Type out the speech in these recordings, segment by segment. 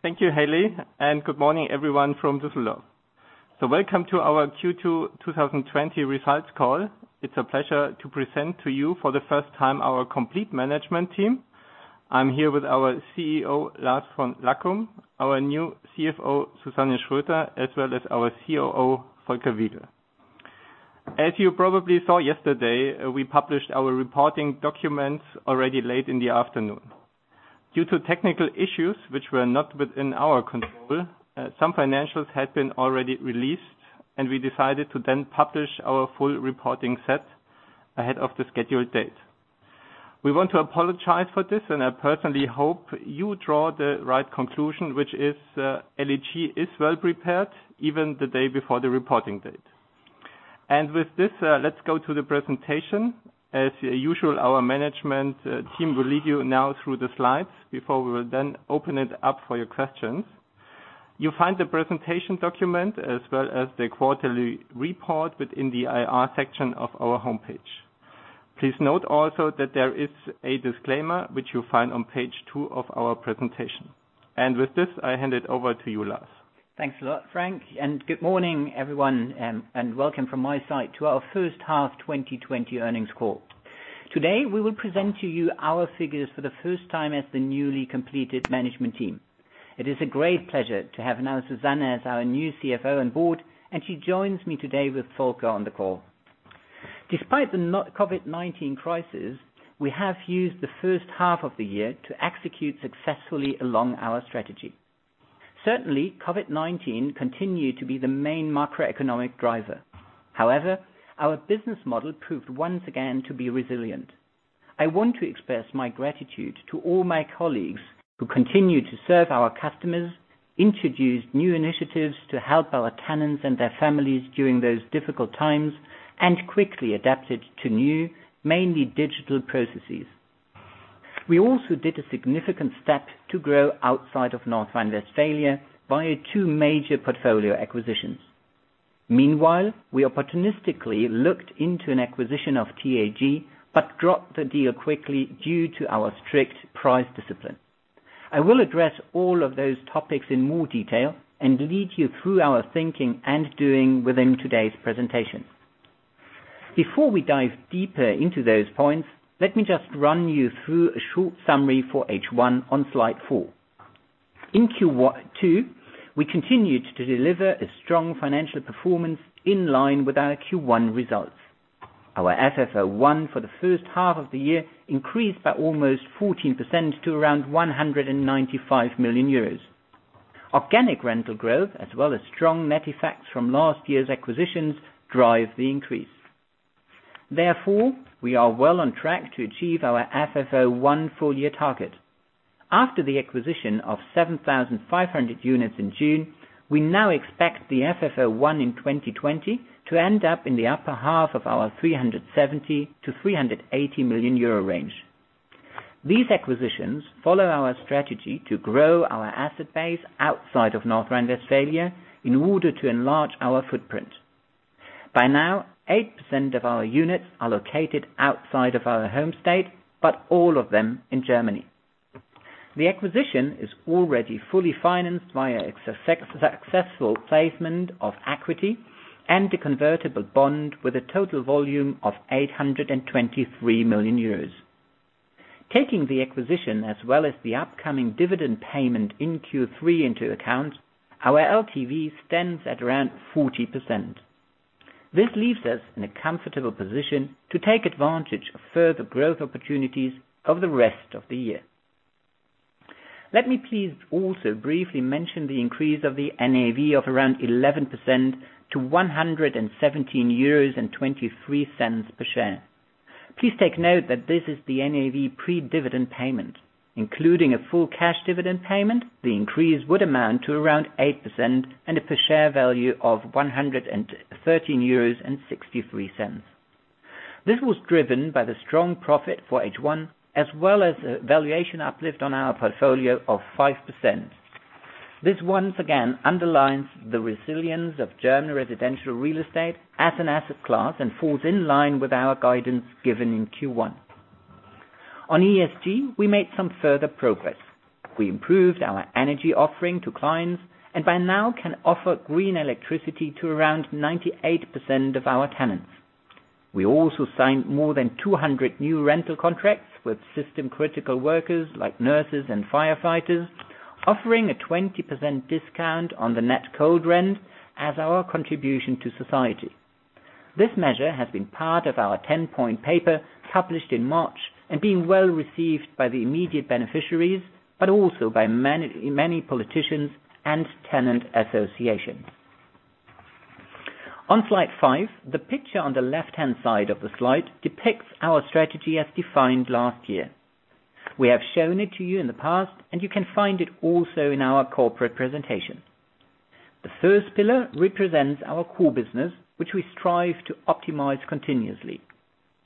Thank you, Haley, and good morning everyone from Düsseldorf. Welcome to our Q2 2020 results call. It's a pleasure to present to you for the first time our complete management team. I'm here with our CEO, Lars von Lackum, our new CFO, Susanne Schröter, as well as our COO, Volker Wiegel. As you probably saw yesterday, we published our reporting documents already late in the afternoon. Due to technical issues, which were not within our control, some financials had been already released, and we decided to then publish our full reporting set ahead of the scheduled date. We want to apologize for this, and I personally hope you draw the right conclusion, which is LEG is well-prepared, even the day before the reporting date. With this, let's go to the presentation. As usual, our management team will lead you now through the slides before we will then open it up for your questions. You'll find the presentation document as well as the quarterly report within the IR section of our homepage. Please note also that there is a disclaimer, which you'll find on page two of our presentation. With this, I hand it over to you, Lars. Thanks a lot, Frank, and good morning, everyone, and welcome from my side to our first half 2020 earnings call. Today, we will present to you our figures for the first time as the newly completed management team. It is a great pleasure to have now Susanne as our new CFO on board, and she joins me today with Volker on the call. Despite the COVID-19 crisis, we have used the first half of the year to execute successfully along our strategy. Certainly, COVID-19 continued to be the main macroeconomic driver. Our business model proved once again to be resilient. I want to express my gratitude to all my colleagues who continue to serve our customers, introduced new initiatives to help our tenants and their families during those difficult times, and quickly adapted to new, mainly digital processes. We also did a significant step to grow outside of North Rhine-Westphalia via two major portfolio acquisitions. Meanwhile, we opportunistically looked into an acquisition of TAG, but dropped the deal quickly due to our strict price discipline. I will address all of those topics in more detail and lead you through our thinking and doing within today's presentation. Before we dive deeper into those points, let me just run you through a short summary for H1 on slide four. In Q2, we continued to deliver a strong financial performance in line with our Q1 results. Our FFO 1 for the first half of the year increased by almost 14% to around 195 million euros. Organic rental growth as well as strong net effects from last year's acquisitions drive the increase. We are well on track to achieve our FFO 1 full year target. After the acquisition of 7,500 units in June, we now expect the FFO 1 in 2020 to end up in the upper half of our 370 million-380 million euro range. These acquisitions follow our strategy to grow our asset base outside of North Rhine-Westphalia in order to enlarge our footprint. By now, 8% of our units are located outside of our home state, all of them in Germany. The acquisition is already fully financed via a successful placement of equity and a convertible bond with a total volume of 823 million euros. Taking the acquisition as well as the upcoming dividend payment in Q3 into account, our LTV stands at around 40%. This leaves us in a comfortable position to take advantage of further growth opportunities of the rest of the year. Let me please also briefly mention the increase of the NAV of around 11% to 117.23 euros per share. Please take note that this is the NAV pre-dividend payment. Including a full cash dividend payment, the increase would amount to around 8% and a per share value of 113.63 euros. This was driven by the strong profit for H1, as well as a valuation uplift on our portfolio of 5%. This once again underlines the resilience of German residential real estate as an asset class and falls in line with our guidance given in Q1. On ESG, we made some further progress. We improved our energy offering to clients, and by now can offer green electricity to around 98% of our tenants. We also signed more than 200 new rental contracts with system critical workers like nurses and firefighters, offering a 20% discount on the net cold rent as our contribution to society. This measure has been part of our 10-point paper published in March and been well received by the immediate beneficiaries, but also by many politicians and tenant associations. On slide five, the picture on the left-hand side of the slide depicts our strategy as defined last year. We have shown it to you in the past, and you can find it also in our corporate presentation. The first pillar represents our core business, which we strive to optimize continuously.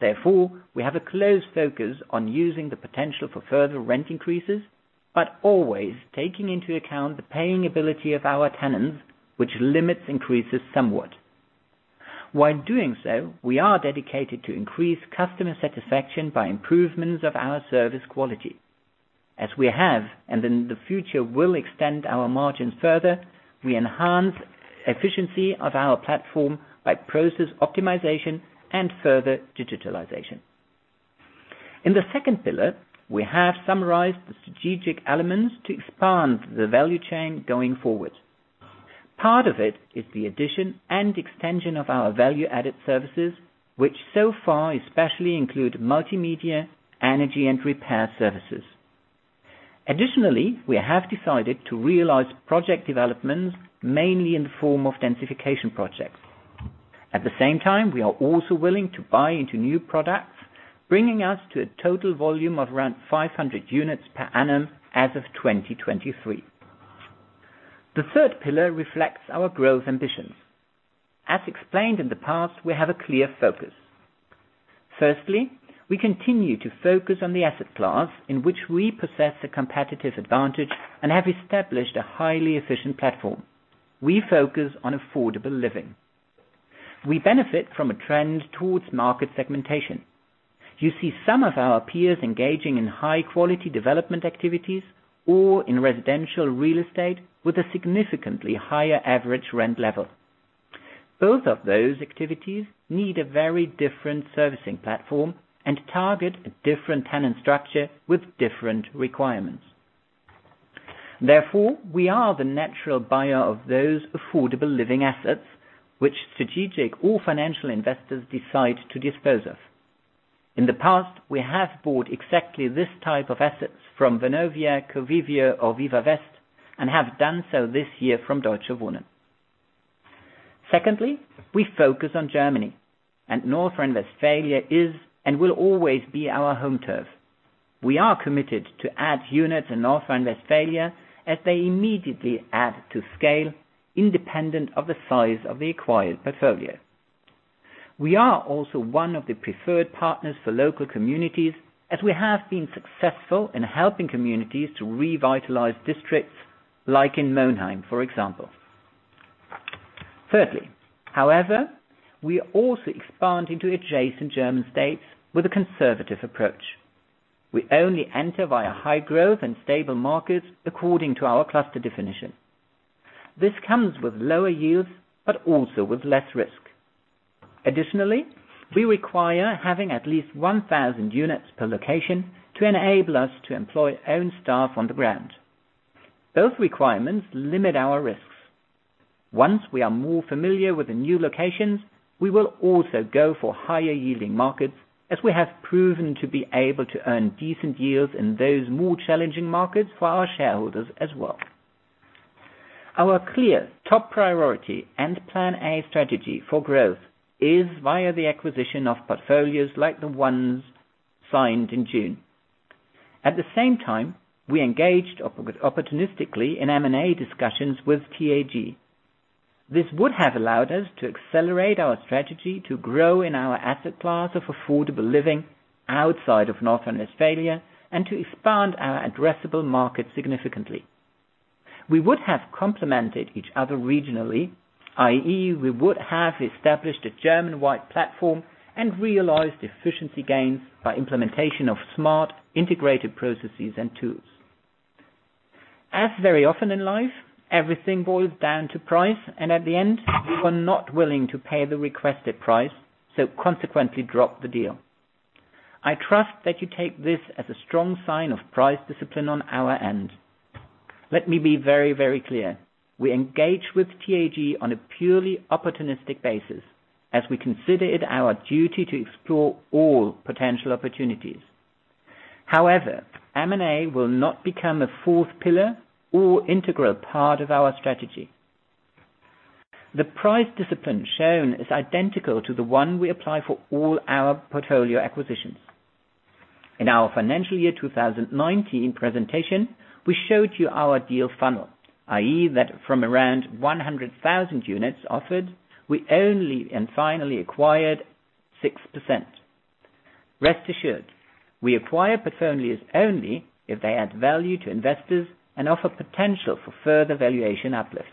Therefore, we have a close focus on using the potential for further rent increases, but always taking into account the paying ability of our tenants, which limits increases somewhat. While doing so, we are dedicated to increase customer satisfaction by improvements of our service quality. As we have, and in the future will extend our margins further, we enhance efficiency of our platform by process optimization and further digitalization. In the second pillar, we have summarized the strategic elements to expand the value chain going forward. Part of it is the addition and extension of our value-added services, which so far especially include multimedia, energy and repair services. Additionally, we have decided to realize project developments mainly in the form of densification projects. At the same time, we are also willing to buy into new products, bringing us to a total volume of around 500 units per annum as of 2023. The third pillar reflects our growth ambitions. As explained in the past, we have a clear focus. Firstly, we continue to focus on the asset class in which we possess a competitive advantage and have established a highly efficient platform. We focus on affordable living. We benefit from a trend towards market segmentation. You see some of our peers engaging in high quality development activities or in residential real estate with a significantly higher average rent level. Both of those activities need a very different servicing platform and target a different tenant structure with different requirements. Therefore, we are the natural buyer of those affordable living assets, which strategic or financial investors decide to dispose of. In the past, we have bought exactly this type of assets from Vonovia, Covivio or Vivawest, and have done so this year from Deutsche Wohnen. Secondly, we focus on Germany, and North Rhine-Westphalia is and will always be our home turf. We are committed to add units in North Rhine-Westphalia as they immediately add to scale, independent of the size of the acquired portfolio. We are also one of the preferred partners for local communities as we have been successful in helping communities to revitalize districts, like in Monheim, for example. Thirdly, however, we also expand into adjacent German states with a conservative approach. We only enter via high growth and stable markets according to our cluster definition. This comes with lower yields, but also with less risk. Additionally, we require having at least 1,000 units per location to enable us to employ own staff on the ground. Both requirements limit our risks. Once we are more familiar with the new locations, we will also go for higher yielding markets, as we have proven to be able to earn decent yields in those more challenging markets for our shareholders as well. Our clear top priority and plan A strategy for growth is via the acquisition of portfolios like the ones signed in June. At the same time, we engaged opportunistically in M&A discussions with TAG. This would have allowed us to accelerate our strategy to grow in our asset class of affordable living outside of North Rhine-Westphalia, and to expand our addressable market significantly. We would have complemented each other regionally, i.e., we would have established a German-wide platform and realized efficiency gains by implementation of smart, integrated processes and tools. As very often in life, everything boils down to price, and at the end, we were not willing to pay the requested price, so consequently dropped the deal. I trust that you take this as a strong sign of price discipline on our end. Let me be very clear. We engaged with TAG on a purely opportunistic basis as we consider it our duty to explore all potential opportunities. However, M&A will not become a fourth pillar or integral part of our strategy. The price discipline shown is identical to the one we apply for all our portfolio acquisitions. In our financial year 2019 presentation, we showed you our deal funnel, i.e., that from around 100,000 units offered, we only and finally acquired 6%. Rest assured, we acquire portfolios only if they add value to investors and offer potential for further valuation uplifts.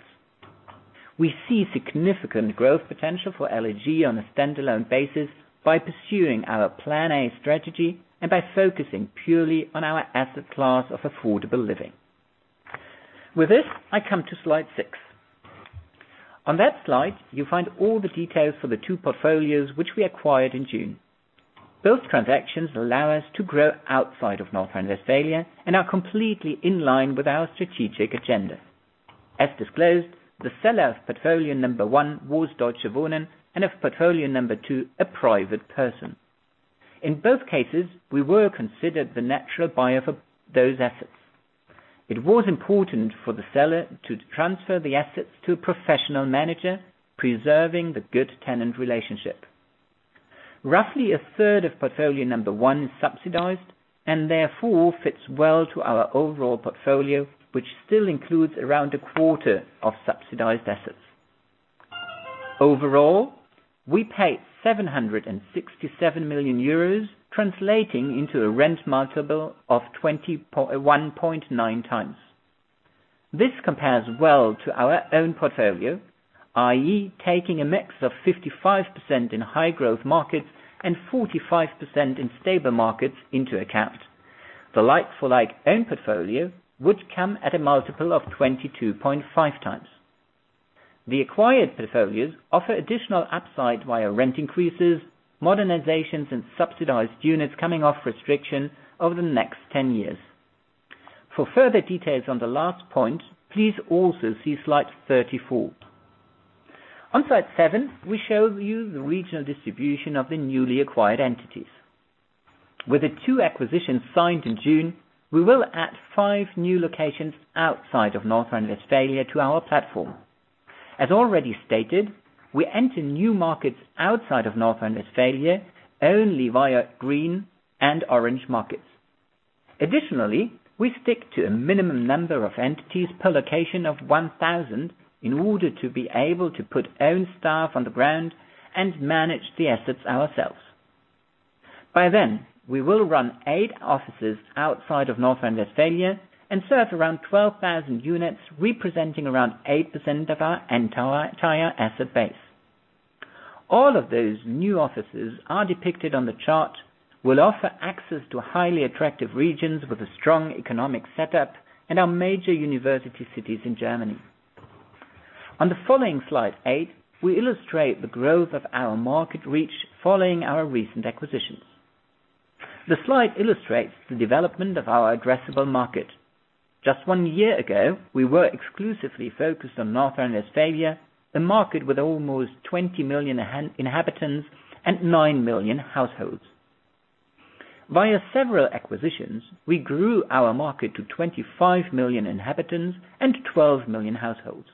We see significant growth potential for LEG on a standalone basis by pursuing our plan A strategy and by focusing purely on our asset class of affordable living. With this, I come to slide six. On that slide, you find all the details for the two portfolios which we acquired in June. Both transactions allow us to grow outside of North Rhine-Westphalia and are completely in line with our strategic agenda. As disclosed, the seller of portfolio number one was Deutsche Wohnen, and of portfolio number two, a private person. In both cases, we were considered the natural buyer for those assets. It was important for the seller to transfer the assets to a professional manager, preserving the good tenant relationship. Roughly a third of portfolio number one is subsidized and therefore fits well to our overall portfolio, which still includes around a quarter of subsidized assets. Overall, we paid 767 million euros, translating into a rent multiple of 21.9 times. This compares well to our own portfolio, i.e. taking a mix of 55% in high growth markets and 45% in stable markets into account. The like-for-like own portfolio would come at a multiple of 22.5 times. The acquired portfolios offer additional upside via rent increases, modernizations, and subsidized units coming off restriction over the next 10 years. For further details on the last point, please also see slide 34. On slide seven, we show you the regional distribution of the newly acquired entities. With the two acquisitions signed in June, we will add five new locations outside of North Rhine-Westphalia to our platform. As already stated, we enter new markets outside of North Rhine-Westphalia only via green and orange markets. Additionally, we stick to a minimum number of entities per location of 1,000 in order to be able to put own staff on the ground and manage the assets ourselves. By then, we will run eight offices outside of North Rhine-Westphalia and serve around 12,000 units, representing around 8% of our entire asset base. All of those new offices are depicted on the chart will offer access to highly attractive regions with a strong economic setup and our major university cities in Germany. On the following slide eight, we illustrate the growth of our market reach following our recent acquisitions. The slide illustrates the development of our addressable market. Just one year ago, we were exclusively focused on North Rhine-Westphalia, a market with almost 20 million inhabitants and 9 million households. Via several acquisitions, we grew our market to 25 million inhabitants and 12 million households.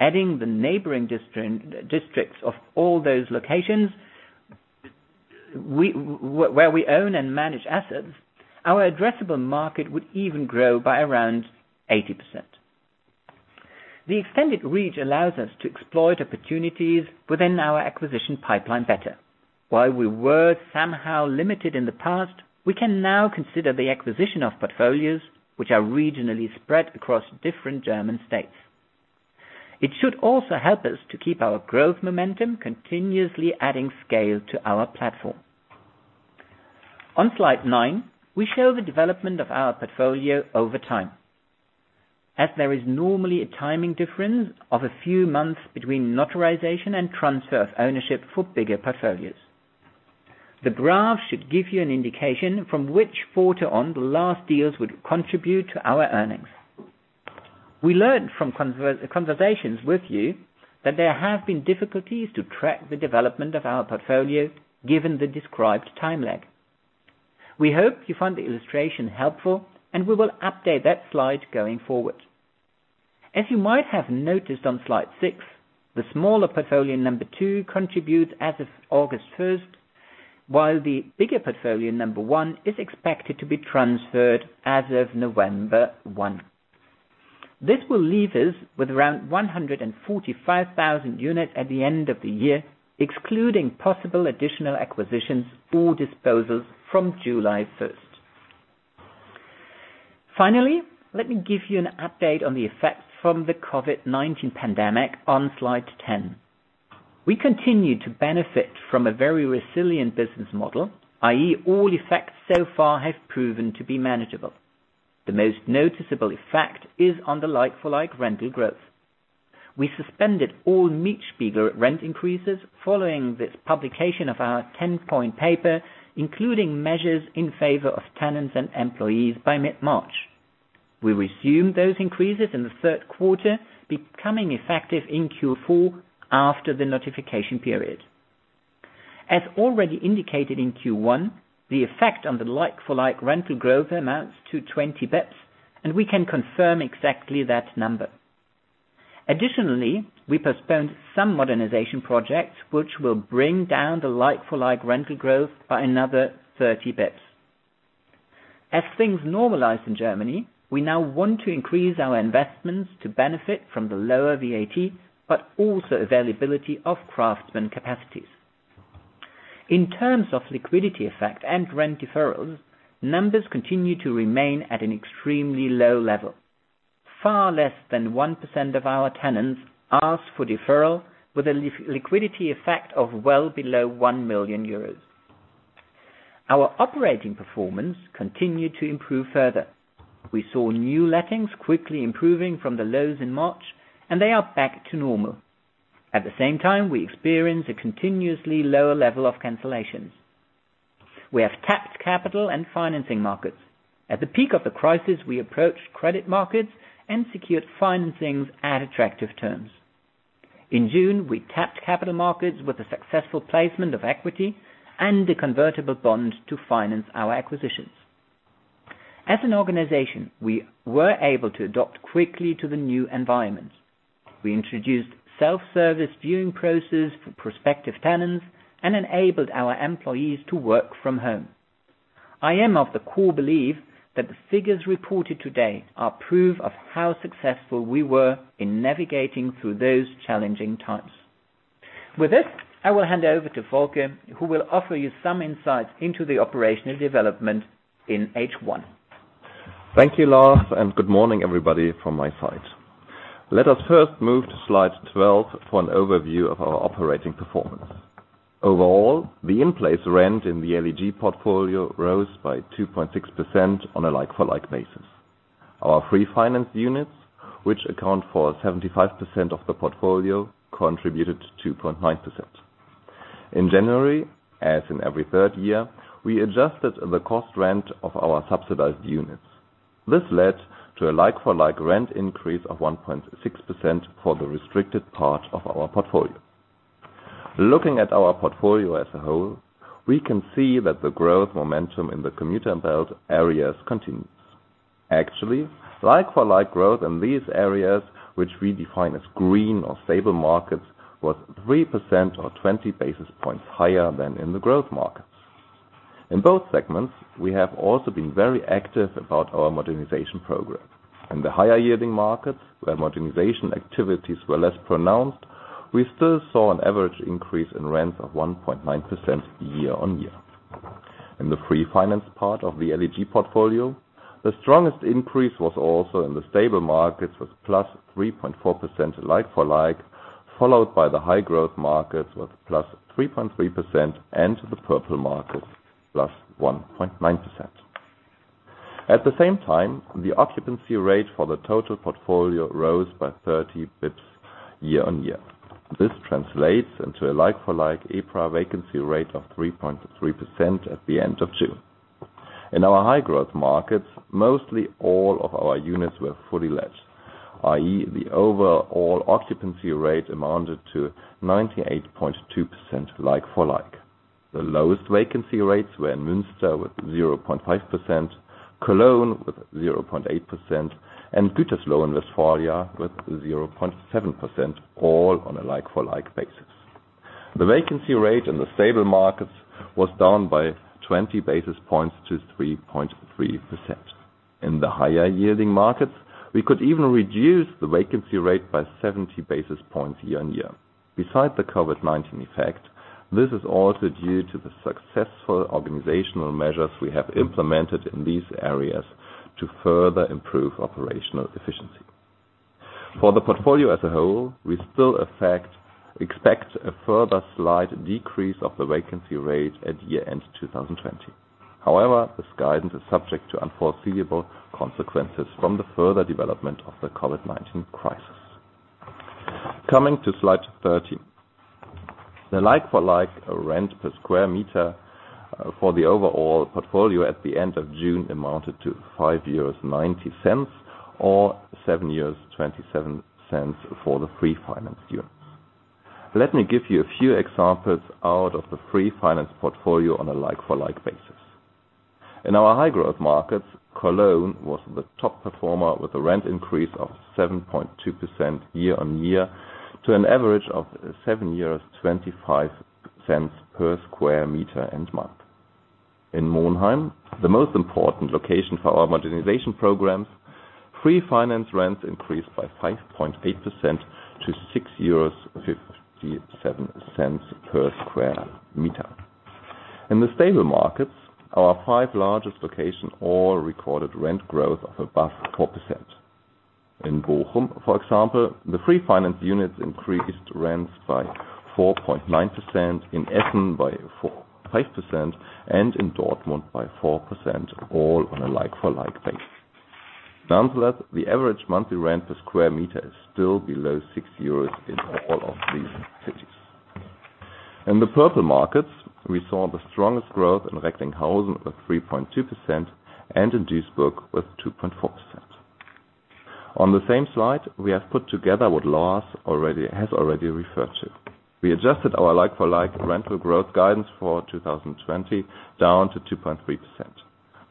Adding the neighboring districts of all those locations where we own and manage assets, our addressable market would even grow by around 80%. The extended reach allows us to exploit opportunities within our acquisition pipeline better. While we were somehow limited in the past, we can now consider the acquisition of portfolios which are regionally spread across different German states. It should also help us to keep our growth momentum continuously adding scale to our platform. On slide nine, we show the development of our portfolio over time. There is normally a timing difference of a few months between notarization and transfer of ownership for bigger portfolios. The graph should give you an indication from which quarter on the last deals would contribute to our earnings. We learned from conversations with you that there have been difficulties to track the development of our portfolio given the described time lag. We hope you find the illustration helpful. We will update that slide going forward. You might have noticed on slide six, the smaller portfolio number two contributes as of August 1st, while the bigger portfolio number one is expected to be transferred as of November 1. This will leave us with around 145,000 units at the end of the year, excluding possible additional acquisitions or disposals from July 1st. Finally, let me give you an update on the effects from the COVID-19 pandemic on slide 10. We continue to benefit from a very resilient business model, i.e. all effects so far have proven to be manageable. The most noticeable effect is on the like-for-like rental growth. We suspended all Mietspiegel rent increases following this publication of our 10-point paper, including measures in favor of tenants and employees by mid-March. We resumed those increases in the third quarter, becoming effective in Q4 after the notification period. As already indicated in Q1, the effect on the like-for-like rental growth amounts to 20 basis points, and we can confirm exactly that number. Additionally, we postponed some modernization projects which will bring down the like-for-like rental growth by another 30 basis points. As things normalize in Germany, we now want to increase our investments to benefit from the lower VAT, but also availability of craftsman capacities. In terms of liquidity effect and rent deferrals, numbers continue to remain at an extremely low level. Far less than 1% of our tenants asked for deferral with a liquidity effect of well below 1 million euros. Our operating performance continued to improve further. We saw new lettings quickly improving from the lows in March, and they are back to normal. At the same time, we experienced a continuously lower level of cancellations. We have tapped capital and financing markets. At the peak of the crisis, we approached credit markets and secured financings at attractive terms. In June, we tapped capital markets with the successful placement of equity and the convertible bond to finance our acquisitions. As an organization, we were able to adopt quickly to the new environment. We introduced self-service viewing process for prospective tenants and enabled our employees to work from home. I am of the core belief that the figures reported today are proof of how successful we were in navigating through those challenging times. With this, I will hand over to Volker, who will offer you some insights into the operational development in H1. Thank you, Lars, and good morning everybody from my side. Let us first move to slide 12 for an overview of our operating performance. Overall, the in-place rent in the LEG portfolio rose by 2.6% on a like-for-like basis. Our free-financed units, which account for 75% of the portfolio, contributed 2.9%. In January, as in every third year, we adjusted the cost rent of our subsidized units. This led to a like-for-like rent increase of 1.6% for the restricted part of our portfolio. Looking at our portfolio as a whole, we can see that the growth momentum in the commuter belt areas continues. Actually, like-for-like growth in these areas, which we define as green or stable markets, was 3% or 20 basis points higher than in the growth markets. In both segments, we have also been very active about our modernization program. In the higher yielding markets, where modernization activities were less pronounced, we still saw an average increase in rents of 1.9% year-on-year. In the free finance part of the LEG portfolio, the strongest increase was also in the stable markets, with plus 3.4% like-for-like, followed by the high growth markets with plus 3.3% and the purple markets plus 1.9%. At the same time, the occupancy rate for the total portfolio rose by 30 basis points year-on-year. This translates into a like-for-like EPRA vacancy rate of 3.3% at the end of June. In our high growth markets, mostly all of our units were fully let, i.e., the overall occupancy rate amounted to 98.2% like-for-like. The lowest vacancy rates were in Münster, with 0.5%, Cologne with 0.8%, and Gütersloh in Westphalia with 0.7%, all on a like-for-like basis. The vacancy rate in the stable markets was down by 20 basis points to 3.3%. In the higher yielding markets, we could even reduce the vacancy rate by 70 basis points year-on-year. Besides the Covid-19 effect, this is also due to the successful organizational measures we have implemented in these areas to further improve operational efficiency. For the portfolio as a whole, we still expect a further slight decrease of the vacancy rate at year end 2020. However, this guidance is subject to unforeseeable consequences from the further development of the Covid-19 crisis. Coming to slide 13. The like-for-like rent per square meter for the overall portfolio at the end of June amounted to 5.90 euros or 7.27 euros for the free-financed units. Let me give you a few examples out of the free finance portfolio on a like-for-like basis. In our high growth markets, Cologne was the top performer with a rent increase of 7.2% year-on-year to an average of 7.25 euros per square meter and month. In Monheim, the most important location for our modernization programs, free-financed rents increased by 5.8% to 6.57 euros per square meter. In the stable markets, our five largest locations all recorded rent growth of above 4%. In Bochum, for example, the free-financed units increased rents by 4.9%, in Essen by 4.5%, and in Dortmund by 4%, all on a like-for-like basis. Nonetheless, the average monthly rent per sq m is still below EUR six in all of these cities. In the purple markets, we saw the strongest growth in Recklinghausen at 3.2% and in Duisburg with 2.4%. On the same slide, we have put together what Lars has already referred to. We adjusted our like-for-like rental growth guidance for 2020 down to 2.3%.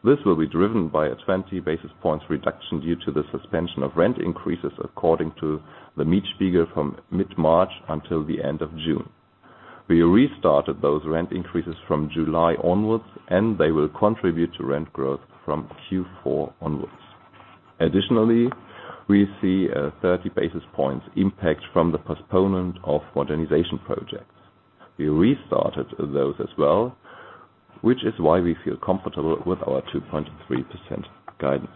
This will be driven by a 20 basis points reduction due to the suspension of rent increases according to the Mietspiegel from mid-March until the end of June. We restarted those rent increases from July onwards, and they will contribute to rent growth from Q4 onwards. Additionally, we see a 30 basis points impact from the postponement of modernization projects. We restarted those as well, which is why we feel comfortable with our 2.3% guidance.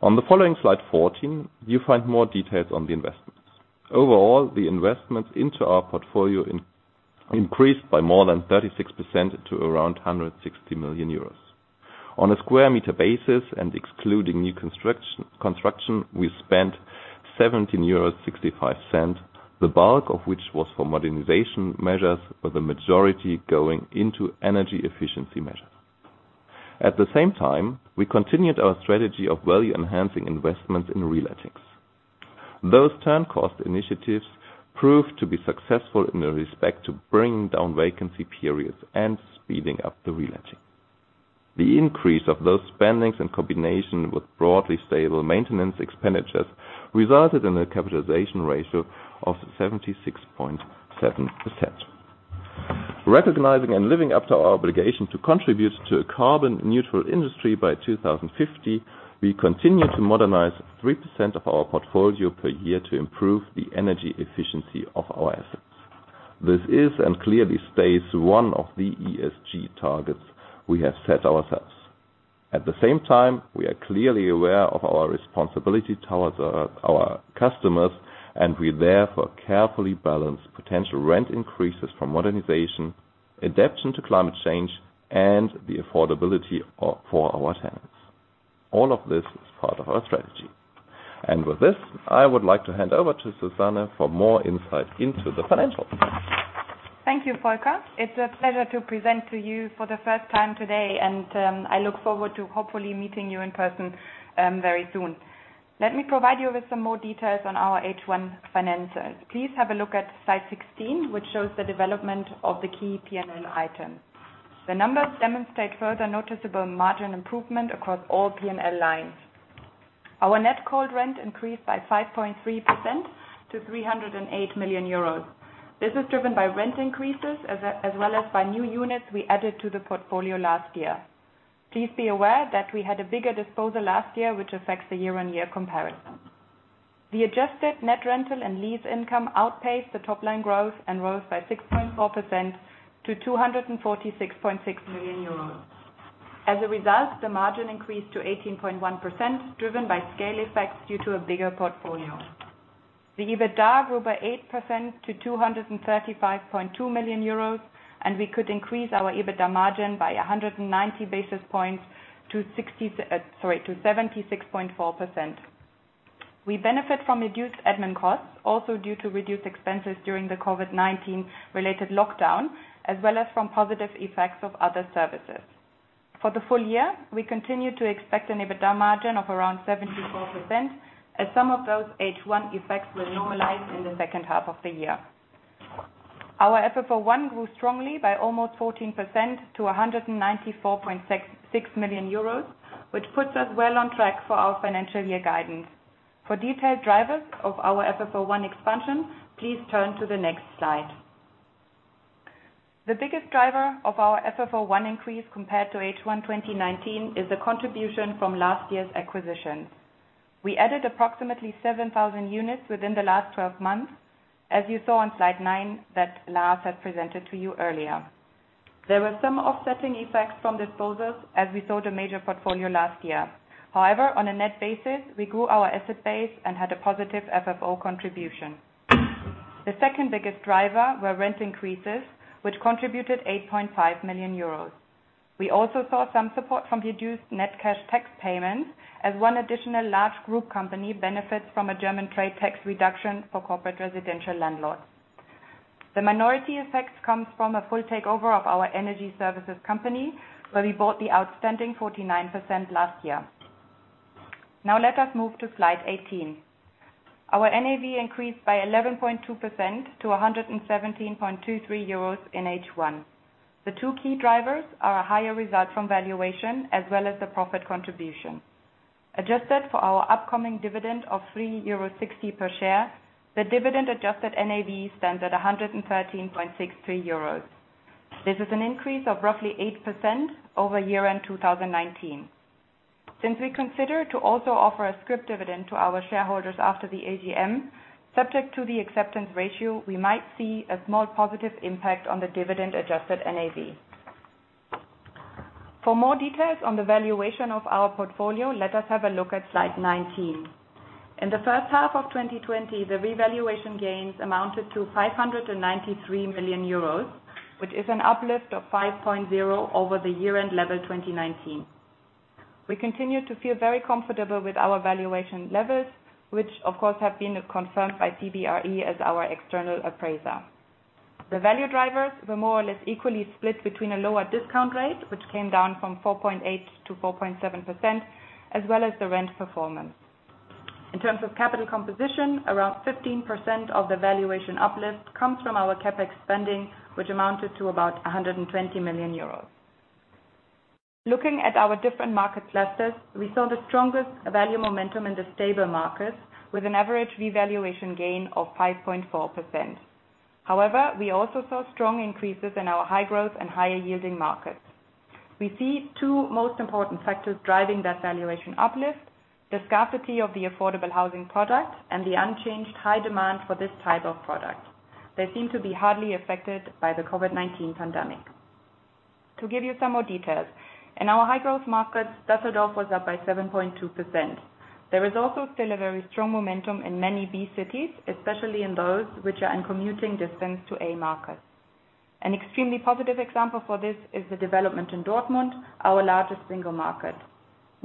On the following slide 14, you find more details on the investments. Overall, the investments into our portfolio increased by more than 36% to around 160 million euros. On a square meter basis and excluding new construction, we spent 17.65 euros, the bulk of which was for modernization measures, with the majority going into energy efficiency measures. At the same time, we continued our strategy of value enhancing investments in relets. Those turn cost initiatives proved to be successful in respect to bringing down vacancy periods and speeding up the relet. The increase of those spendings in combination with broadly stable maintenance expenditures resulted in a capitalization ratio of 76.7%. Recognizing and living up to our obligation to contribute to a carbon neutral industry by 2050, we continue to modernize 3% of our portfolio per year to improve the energy efficiency of our assets. This is and clearly stays one of the ESG targets we have set ourselves. At the same time, we are clearly aware of our responsibility towards our customers, we therefore carefully balance potential rent increases from modernization, adaptation to climate change, and the affordability for our tenants. All of this is part of our strategy. With this, I would like to hand over to Susanne for more insight into the financials. Thank you, Volker. It's a pleasure to present to you for the first time today, and I look forward to hopefully meeting you in person very soon. Let me provide you with some more details on our H1 finances. Please have a look at slide 16, which shows the development of the key P&L items. The numbers demonstrate further noticeable margin improvement across all P&L lines. Our net cold rent increased by 5.3% to 308 million euros. This is driven by rent increases as well as by new units we added to the portfolio last year. Please be aware that we had a bigger disposal last year, which affects the year-on-year comparison. The adjusted net rental and lease income outpaced the top line growth and rose by 6.4% to 246.6 million euros. As a result, the margin increased to 18.1%, driven by scale effects due to a bigger portfolio. The EBITDA grew by 8% to 235.2 million euros, and we could increase our EBITDA margin by 190 basis points to 76.4%. We benefit from reduced admin costs, also due to reduced expenses during the COVID-19 related lockdown, as well as from positive effects of other services. For the full year, we continue to expect an EBITDA margin of around 74%, as some of those H1 effects will normalize in the second half of the year. Our FFO 1 grew strongly by almost 14% to 194.6 million euros, which puts us well on track for our financial year guidance. For detailed drivers of our FFO 1 expansion, please turn to the next slide. The biggest driver of our FFO 1 increase compared to H1 2019 is the contribution from last year's acquisitions. We added approximately 7,000 units within the last 12 months, as you saw on slide nine that Lars had presented to you earlier. There were some offsetting effects from disposals as we sold a major portfolio last year. However, on a net basis, we grew our asset base and had a positive FFO contribution. The second biggest driver were rent increases, which contributed 8.5 million euros. We also saw some support from reduced net cash tax payments, as one additional large group company benefits from a German trade tax reduction for corporate residential landlords. The minority effect comes from a full takeover of our energy services company, where we bought the outstanding 49% last year. Now let us move to slide 18. Our NAV increased by 11.2% to 117.23 euros in H1. The two key drivers are a higher result from valuation as well as the profit contribution. Adjusted for our upcoming dividend of 3.60 euro per share, the dividend adjusted NAV stands at 113.63 euros. This is an increase of roughly 8% over year-end 2019. Since we consider to also offer a scrip dividend to our shareholders after the AGM, subject to the acceptance ratio, we might see a small positive impact on the dividend adjusted NAV. For more details on the valuation of our portfolio, let us have a look at slide 19. In the first half of 2020, the revaluation gains amounted to 593 million euros, which is an uplift of 5.0 over the year-end level 2019. We continue to feel very comfortable with our valuation levels, which of course have been confirmed by CBRE as our external appraiser. The value drivers were more or less equally split between a lower discount rate, which came down from 4.8% to 4.7%, as well as the rent performance. In terms of capital composition, around 15% of the valuation uplift comes from our CapEx spending, which amounted to about 120 million euros. Looking at our different market clusters, we saw the strongest value momentum in the stable markets with an average revaluation gain of 5.4%. We also saw strong increases in our high growth and higher yielding markets. We see two most important factors driving that valuation uplift, the scarcity of the affordable housing product and the unchanged high demand for this type of product. They seem to be hardly affected by the COVID-19 pandemic. To give you some more details, in our high growth markets, Düsseldorf was up by 7.2%. There is also still a very strong momentum in many B cities, especially in those which are in commuting distance to A markets. An extremely positive example for this is the development in Dortmund, our largest single market.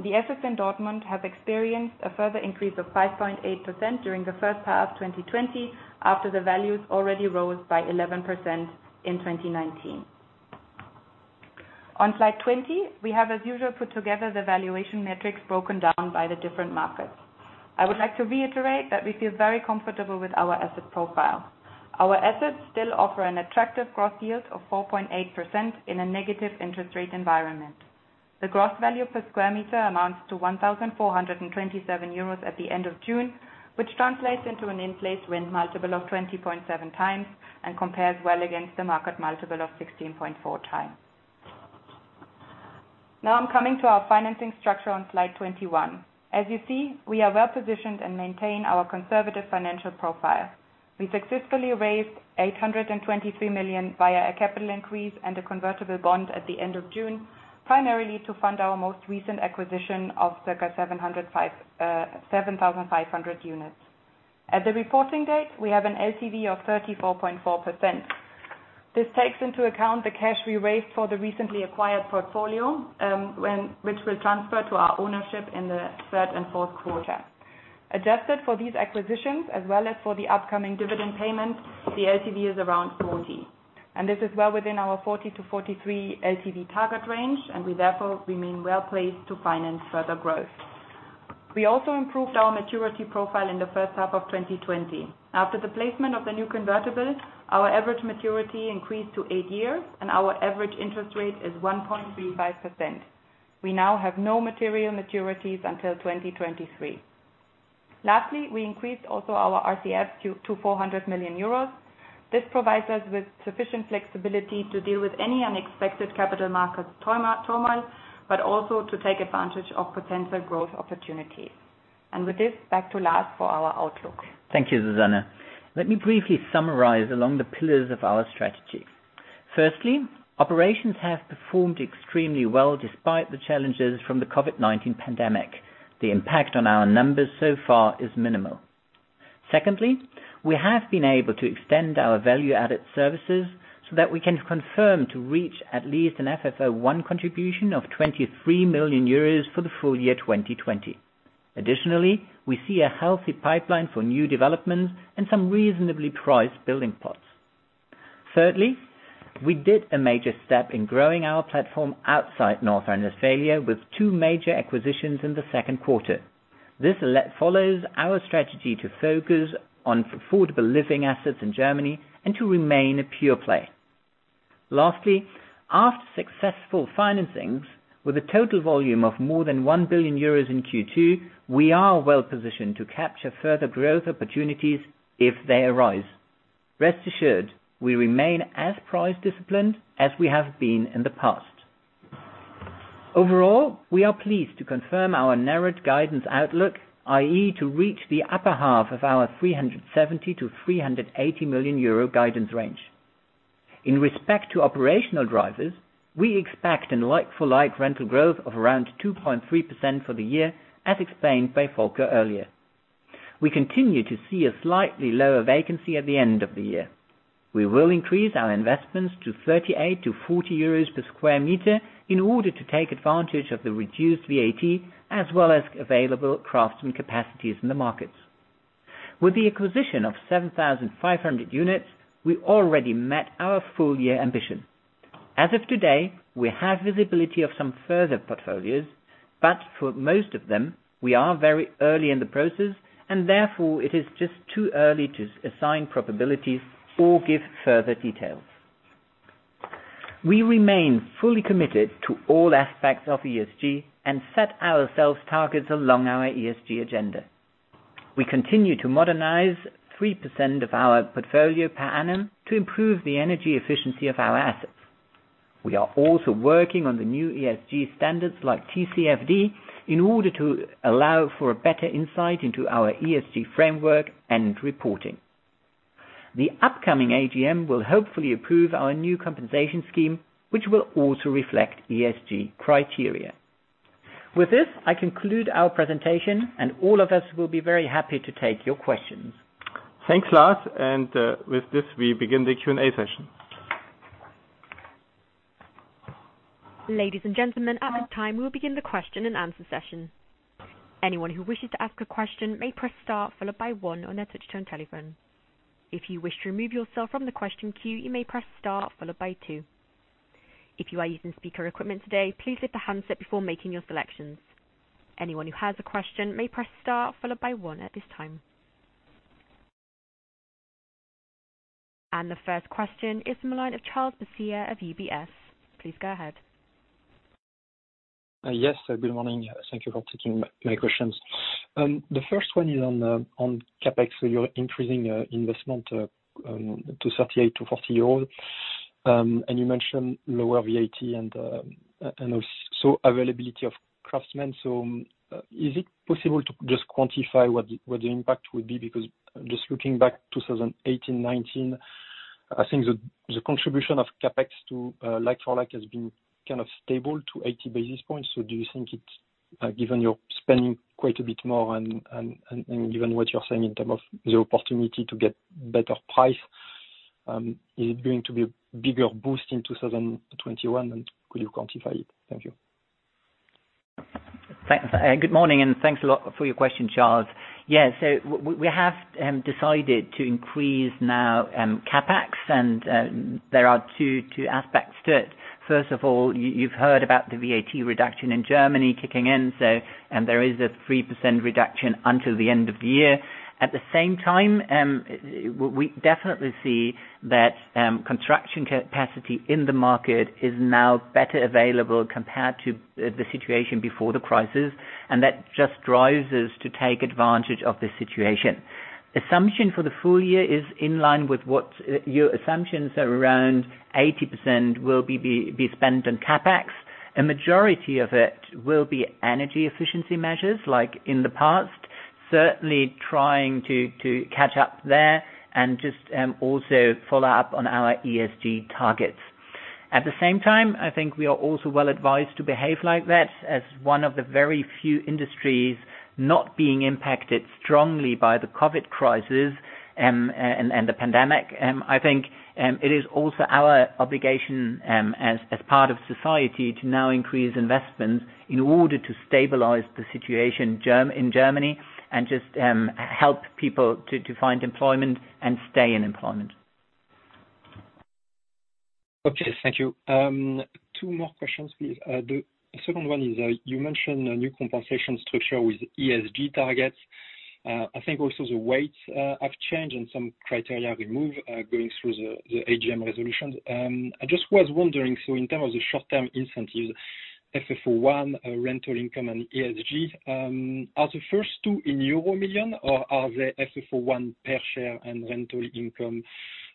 The assets in Dortmund have experienced a further increase of 5.8% during the first half of 2020, after the values already rose by 11% in 2019. On slide 20, we have as usual, put together the valuation metrics broken down by the different markets. I would like to reiterate that we feel very comfortable with our asset profile. Our assets still offer an attractive gross yield of 4.8% in a negative interest rate environment. The gross value per square meter amounts to 1,427 euros at the end of June, which translates into an in-place rent multiple of 20.7 times and compares well against the market multiple of 16.4 times. Now I'm coming to our financing structure on slide 21. As you see, we are well positioned and maintain our conservative financial profile. We successfully raised 823 million via a capital increase and a convertible bond at the end of June, primarily to fund our most recent acquisition of circa 7,500 units. At the reporting date, we have an LTV of 34.4%. This takes into account the cash we raised for the recently acquired portfolio which will transfer to our ownership in the third and fourth quarter. Adjusted for these acquisitions, as well as for the upcoming dividend payment, the LTV is around 40%. This is well within our 40%-43% LTV target range. We therefore remain well placed to finance further growth. We also improved our maturity profile in the first half of 2020. After the placement of the new convertible, our average maturity increased to eight years and our average interest rate is 1.35%. We now have no material maturities until 2023. Lastly, we increased also our RCF to 400 million euros. This provides us with sufficient flexibility to deal with any unexpected capital markets turmoil, but also to take advantage of potential growth opportunities. With this, back to Lars for our outlook. Thank you, Susanne. Let me briefly summarize along the pillars of our strategy. Firstly, operations have performed extremely well despite the challenges from the COVID-19 pandemic. The impact on our numbers so far is minimal. Secondly, we have been able to extend our value-added services so that we can confirm to reach at least an FFO 1 contribution of 23 million euros for the full year 2020. Additionally, we see a healthy pipeline for new developments and some reasonably priced building plots. Thirdly, we did a major step in growing our platform outside North Rhine-Westphalia with two major acquisitions in the second quarter. This follows our strategy to focus on affordable living assets in Germany and to remain a pure play. Lastly, after successful financings with a total volume of more than 1 billion euros in Q2, we are well positioned to capture further growth opportunities if they arise. Rest assured, we remain as price disciplined as we have been in the past. Overall, we are pleased to confirm our narrowed guidance outlook, i.e. to reach the upper half of our 370 million-380 million euro guidance range. In respect to operational drivers, we expect a like-for-like rental growth of around 2.3% for the year, as explained by Volker earlier. We continue to see a slightly lower vacancy at the end of the year. We will increase our investments to 38-40 euros per square meter in order to take advantage of the reduced VAT, as well as available craftsmen capacities in the markets. With the acquisition of 7,500 units, we already met our full year ambition. As of today, we have visibility of some further portfolios, but for most of them, we are very early in the process and therefore it is just too early to assign probabilities or give further details. We remain fully committed to all aspects of ESG and set ourselves targets along our ESG agenda. We continue to modernize 3% of our portfolio per annum to improve the energy efficiency of our assets. We are also working on the new ESG standards like TCFD in order to allow for a better insight into our ESG framework and reporting. The upcoming AGM will hopefully approve our new compensation scheme, which will also reflect ESG criteria. With this, I conclude our presentation, and all of us will be very happy to take your questions. Thanks, Lars. With this, we begin the Q&A session. Ladies and gentlemen, at this time, we'll begin the question and answer session. Anyone who wishes to ask a question may press star followed by one on your touch-tone telephone. If you would wish to remove yourself from the question queue you may press star followed by two. If you are using a speaker equipment today please pick up your handset before making the selection. Anyone who has a question may press star one at this time. The first question is the line of Charles Boissier of UBS. Please go ahead. Yes. Good morning. Thank you for taking my questions. The first one is on CapEx. You're increasing investment to 38-40 euros, and you mentioned lower VAT and also availability of craftsmen. Is it possible to just quantify what the impact would be? Just looking back 2018-2019, I think the contribution of CapEx to like-for-like has been kind of stable to 80 basis points. Do you think given you're spending quite a bit more and given what you're saying in terms of the opportunity to get better price, is it going to be a bigger boost in 2021, and could you quantify it? Thank you. Good morning, and thanks a lot for your question, Charles. Yeah. We have decided to increase now CapEx, and there are two aspects to it. First of all, you've heard about the VAT reduction in Germany kicking in. There is a 3% reduction until the end of the year. At the same time, we definitely see that construction capacity in the market is now better available compared to the situation before the crisis, and that just drives us to take advantage of the situation. Assumption for the full year is in line with what your assumptions are around 80% will be spent on CapEx. A majority of it will be energy efficiency measures like in the past. Certainly trying to catch up there and just also follow up on our ESG targets. At the same time, I think we are also well-advised to behave like that as one of the very few industries not being impacted strongly by the COVID crisis and the pandemic. I think it is also our obligation, as part of society, to now increase investments in order to stabilize the situation in Germany and just help people to find employment and stay in employment. Okay. Thank you. Two more questions, please. The second one is, you mentioned a new compensation structure with ESG targets. I think also the weights have changed and some criteria removed, going through the AGM resolutions. I just was wondering, so in terms of the short-term incentives, FFO 1 rental income and ESG, are the first 2 million euro or are they FFO 1 per share and rental income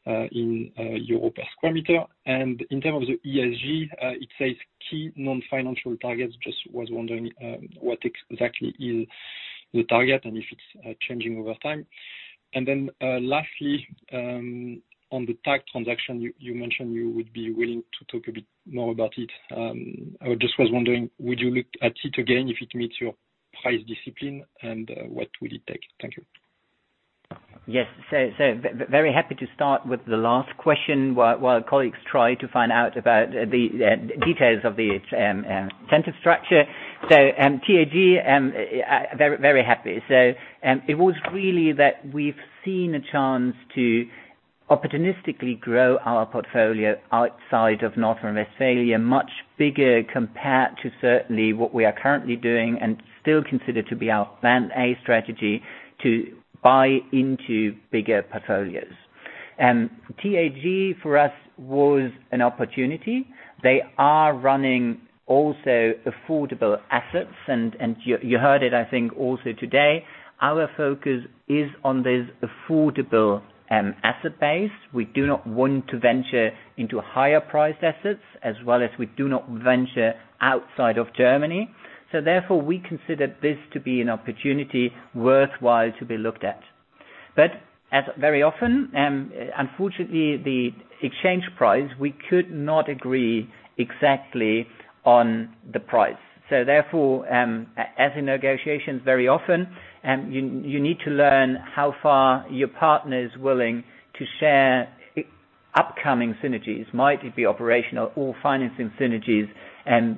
in euro per square meter? In terms of the ESG, it says key non-financial targets. Just was wondering what exactly is the target and if it's changing over time. Lastly, on the TAG transaction, you mentioned you would be willing to talk a bit more about it. I just was wondering, would you look at it again if it meets your price discipline and what would it take? Thank you. Yes. Very happy to start with the last question while colleagues try to find out about the details of the incentive structure. TAG, very happy. It was really that we've seen a chance to opportunistically grow our portfolio outside of North Rhine-Westphalia, much bigger compared to certainly what we are currently doing and still consider to be our plan A strategy to buy into bigger portfolios. TAG, for us, was an opportunity. They are running also affordable assets and you heard it, I think, also today. Our focus is on this affordable asset base. We do not want to venture into higher priced assets as well as we do not venture outside of Germany. Therefore, we consider this to be an opportunity worthwhile to be looked at. As very often, unfortunately, the exchange price, we could not agree exactly on the price. As in negotiations very often, you need to learn how far your partner is willing to share upcoming synergies, might it be operational or financing synergies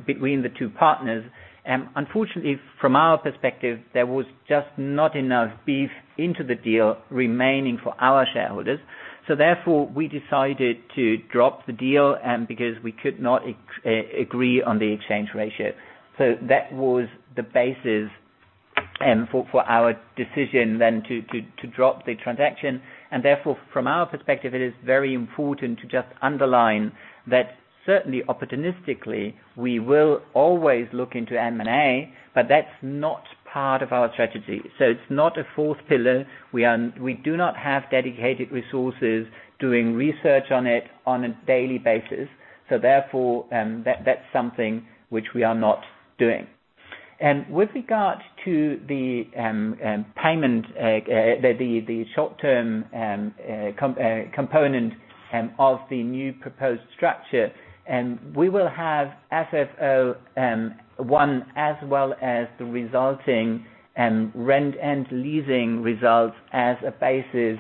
between the two partners. Unfortunately, from our perspective, there was just not enough beef into the deal remaining for our shareholders. We decided to drop the deal because we could not agree on the exchange ratio. That was the basis for our decision then to drop the transaction. From our perspective, it is very important to just underline that certainly opportunistically, we will always look into M&A, but that's not part of our strategy. It's not a fourth pillar. We do not have dedicated resources doing research on it on a daily basis. That's something which we are not doing. With regard to the payment, the short-term component of the new proposed structure, we will have FFO 1 as well as the resulting rent and leasing results as a basis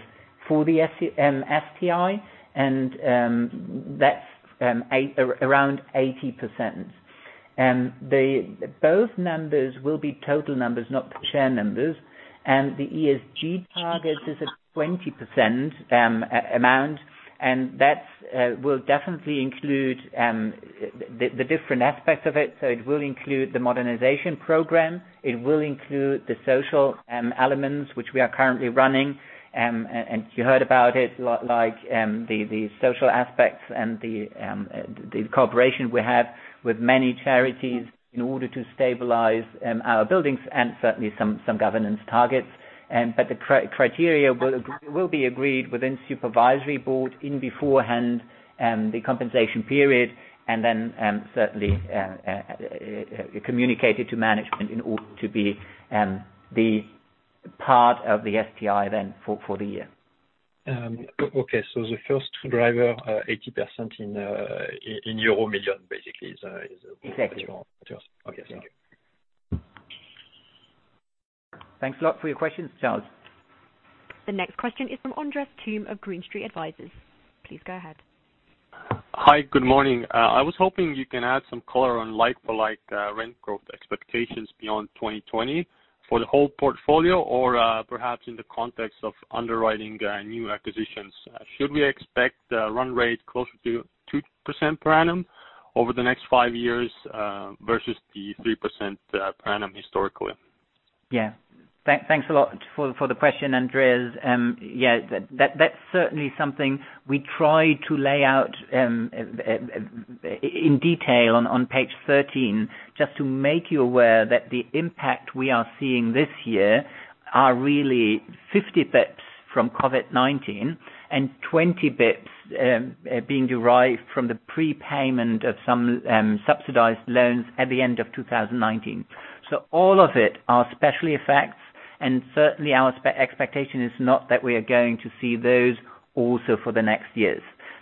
for the STI, that is around 80%. Both numbers will be total numbers, not the share numbers. The ESG target is a 20% amount, that will definitely include the different aspects of it. It will include the modernization program, it will include the social elements, which we are currently running. You heard about it, like the social aspects and the cooperation we have with many charities in order to stabilize our buildings and certainly some governance targets. The criteria will be agreed within supervisory board in beforehand the compensation period and then certainly communicated to management in order to be the part of the STI then for the year. Okay. The first driver, 80% in euro million basically is what you want. Exactly. Okay. Thank you. Thanks a lot for your questions, Charles. The next question is from Andres Toome of Green Street Advisors. Please go ahead. Hi. Good morning. I was hoping you can add some color on like-for-like rent growth expectations beyond 2020 for the whole portfolio or perhaps in the context of underwriting new acquisitions. Should we expect the run rate closer to 2% per annum over the next five years versus the 3% per annum historically? Yeah. Thanks a lot for the question, Andres. Yeah. That's certainly something we try to lay out in detail on page 13, just to make you aware that the impact we are seeing this year are really 50 basis points from COVID-19 and 20 basis points being derived from the prepayment of some subsidized loans at the end of 2019. All of it are special effects and certainly our expectation is not that we are going to see those also for the next years.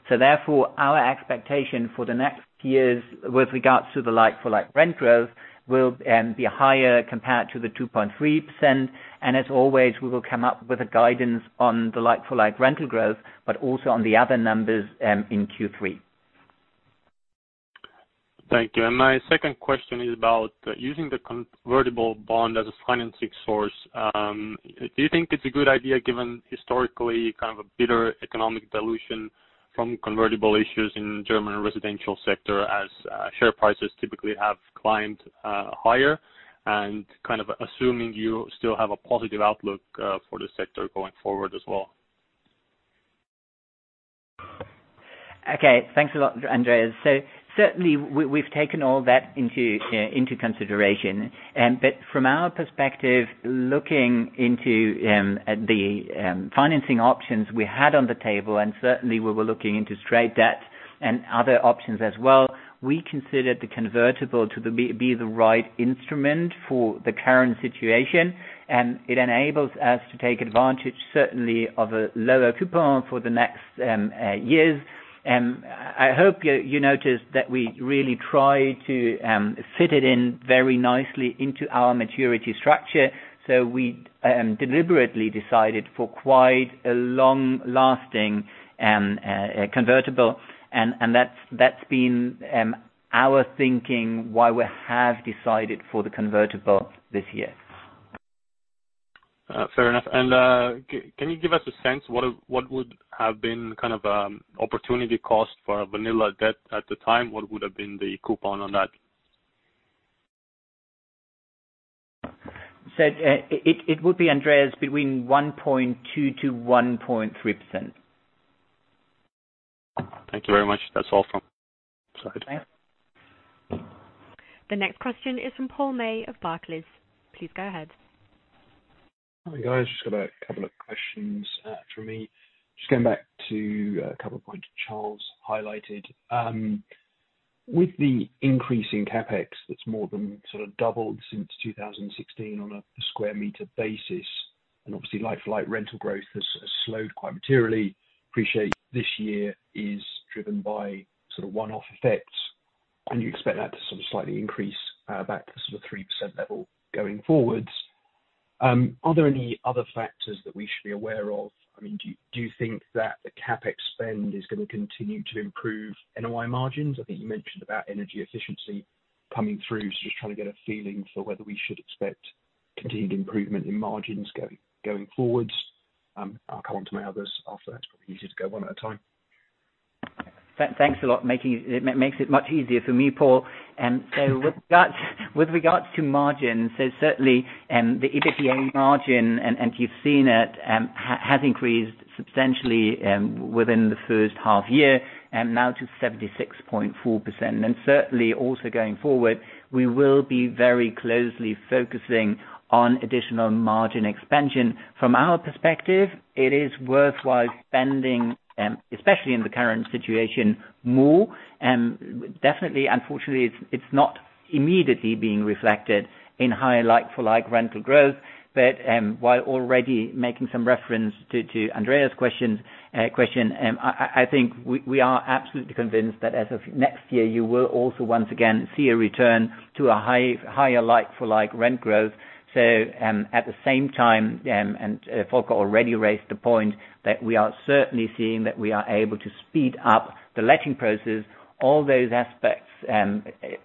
Therefore, our expectation for the next years with regards to the like-for-like rent growth will be higher compared to the 2.3%, and as always, we will come up with a guidance on the like-for-like rental growth, but also on the other numbers in Q3. Thank you. My second question is about using the convertible bond as a financing source. Do you think it's a good idea given historically a bitter economic dilution from convertible issues in German residential sector as share prices typically have climbed higher, assuming you still have a positive outlook for the sector going forward as well? Okay. Thanks a lot, Andres. Certainly we've taken all that into consideration, but from our perspective, looking into the financing options we had on the table, and certainly we were looking into straight debt and other options as well. We considered the convertible to be the right instrument for the current situation, and it enables us to take advantage, certainly, of a lower coupon for the next years. I hope you noticed that we really try to fit it in very nicely into our maturity structure. We deliberately decided for quite a long-lasting convertible, and that's been our thinking why we have decided for the convertible this year. Fair enough. Can you give us a sense what would have been opportunity cost for a vanilla debt at the time? What would have been the coupon on that? It would be, Andres, between 1.2%-1.3%. Thank you very much. That's all from side. The next question is from Paul May of Barclays. Please go ahead. Hi, guys. I just got a couple of questions from me. Just going back to a couple of points Charles highlighted. With the increase in CapEx that is more than doubled since 2016 on a square meter basis, and obviously like-for-like rental growth has slowed quite materially. Appreciate this year is driven by one-off effects, and you expect that to slightly increase back to 3% level going forwards. Are there any other factors that we should be aware of? Do you think that the CapEx spend is going to continue to improve NOI margins? I think you mentioned about energy efficiency coming through, so just trying to get a feeling for whether we should expect continued improvement in margins going forwards. I will come on to my others after that. It is probably easier to go one at a time. Thanks a lot. It makes it much easier for me, Paul. With regards to margins, certainly, the EBITDA margin, and you've seen it, has increased substantially within the first half year, now to 76.4%. Certainly also going forward, we will be very closely focusing on additional margin expansion. From our perspective, it is worthwhile spending, especially in the current situation, more. Definitely, unfortunately, it's not immediately being reflected in higher like-for-like rental growth. While already making some reference to Andres question, I think we are absolutely convinced that as of next year, you will also once again see a return to a higher like-for-like rent growth. At the same time, and Volker already raised the point that we are certainly seeing that we are able to speed up the letting process. All those aspects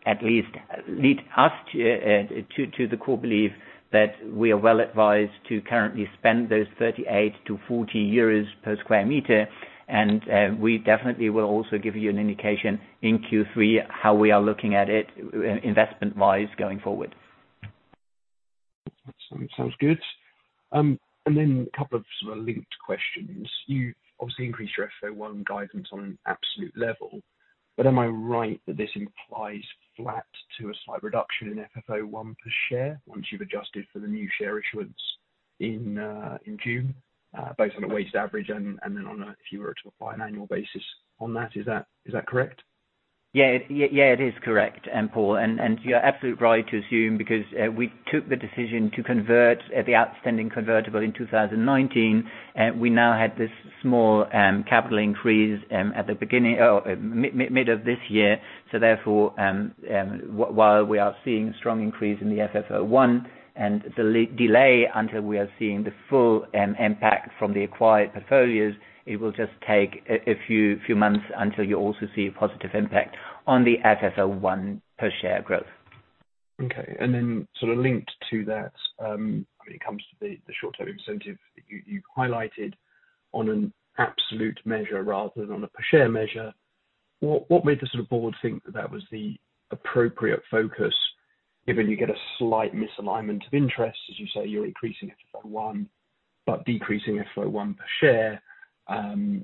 at least lead us to the core belief that we are well advised to currently spend those 38-40 euros per square meter. We definitely will also give you an indication in Q3 how we are looking at it investment-wise going forward. Sounds good. Then a couple of linked questions. You've obviously increased your FFO 1 guidance on an absolute level, but am I right that this implies flat to a slight reduction in FFO 1 per share once you've adjusted for the new share issuance in June, both on a weighted average and then on a, if you were to apply an annual basis on that? Is that correct? Yeah, it is correct, Paul, and you're absolutely right to assume, because we took the decision to convert the outstanding convertible in 2019. We now had this small capital increase mid of this year. Therefore, while we are seeing strong increase in the FFO 1 and the delay until we are seeing the full impact from the acquired portfolios, it will just take a few months until you also see a positive impact on the FFO 1 per share growth. Okay. Linked to that, when it comes to the short-term incentive that you highlighted on an absolute measure rather than on a per share measure, what made the board think that that was the appropriate focus, given you get a slight misalignment of interest, as you say, you're increasing FFO 1 but decreasing FFO 1 per share,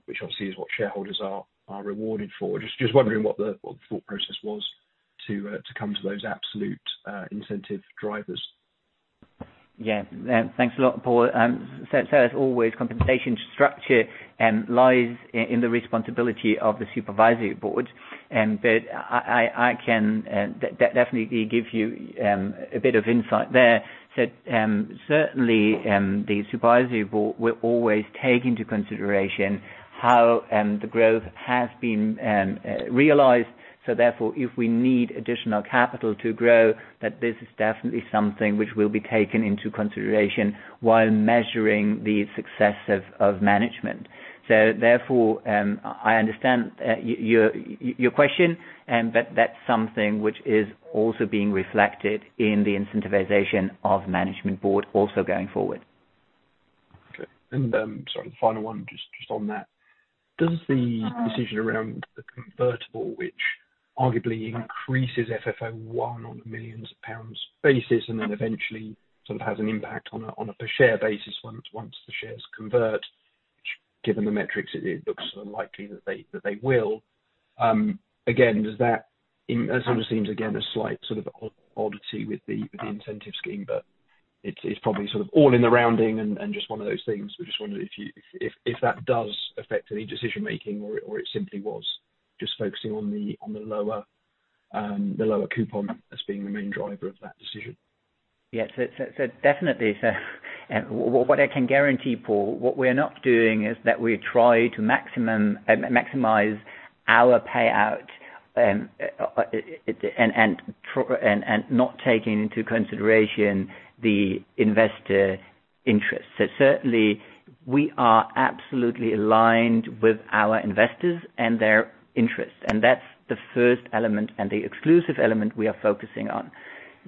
which obviously is what shareholders are rewarded for. Just wondering what the thought process was to come to those absolute incentive drivers. Yeah. Thanks a lot, Paul. As always, compensation structure lies in the responsibility of the supervisory board. I can definitely give you a bit of insight there. Certainly, the supervisory board will always take into consideration how the growth has been realized. Therefore, if we need additional capital to grow, that this is definitely something which will be taken into consideration while measuring the success of management. Therefore, I understand your question, but that's something which is also being reflected in the incentivization of management board also going forward. Okay. Sorry, the final one just on that. Does the decision around the convertible, which arguably increases FFO 1 on a millions of EUR basis and then eventually has an impact on a per share basis once the shares convert, which given the metrics, it looks likely that they will, again, that sort of seems, again, a slight sort of oddity with the incentive scheme, but it's probably all in the rounding and just one of those things. We just wondered if that does affect any decision making or it simply was just focusing on the lower coupon as being the main driver of that decision? Yeah. Definitely. What I can guarantee, Paul, what we're not doing is that we try to maximize our payout and not taking into consideration the investor interest. Certainly we are absolutely aligned with our investors and their interests, and that's the first element and the exclusive element we are focusing on.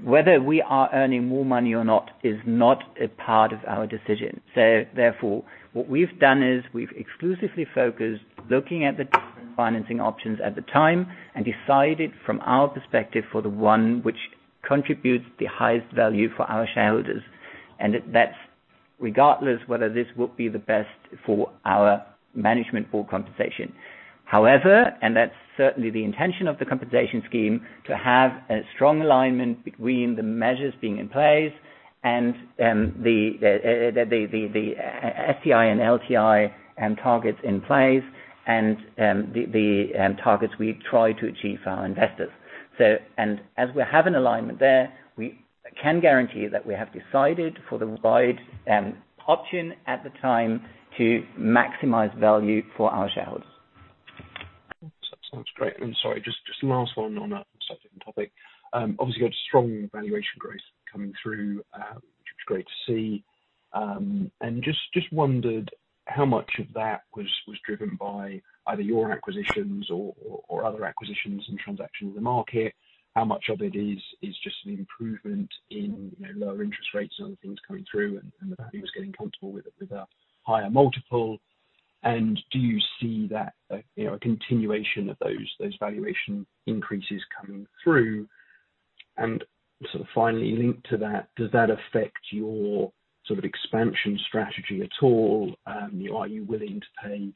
Whether we are earning more money or not is not a part of our decision. Therefore, what we've done is we've exclusively focused looking at the different financing options at the time, and decided from our perspective, for the one which contributes the highest value for our shareholders. That's regardless whether this would be the best for our management board compensation. However, and that's certainly the intention of the compensation scheme, to have a strong alignment between the measures being in place and the STI and LTI targets in place and the targets we try to achieve for our investors. As we have an alignment there, we can guarantee you that we have decided for the right option at the time to maximize value for our shareholders. Sounds great. Sorry, just last one on that second topic. Obviously you had a strong valuation growth coming through, which was great to see. Just wondered how much of that was driven by either your acquisitions or other acquisitions and transactions in the market, how much of it is just an improvement in lower interest rates and other things coming through and the values getting comfortable with a higher multiple? Do you see that a continuation of those valuation increases coming through? Finally linked to that, does that affect your expansion strategy at all? Are you willing to pay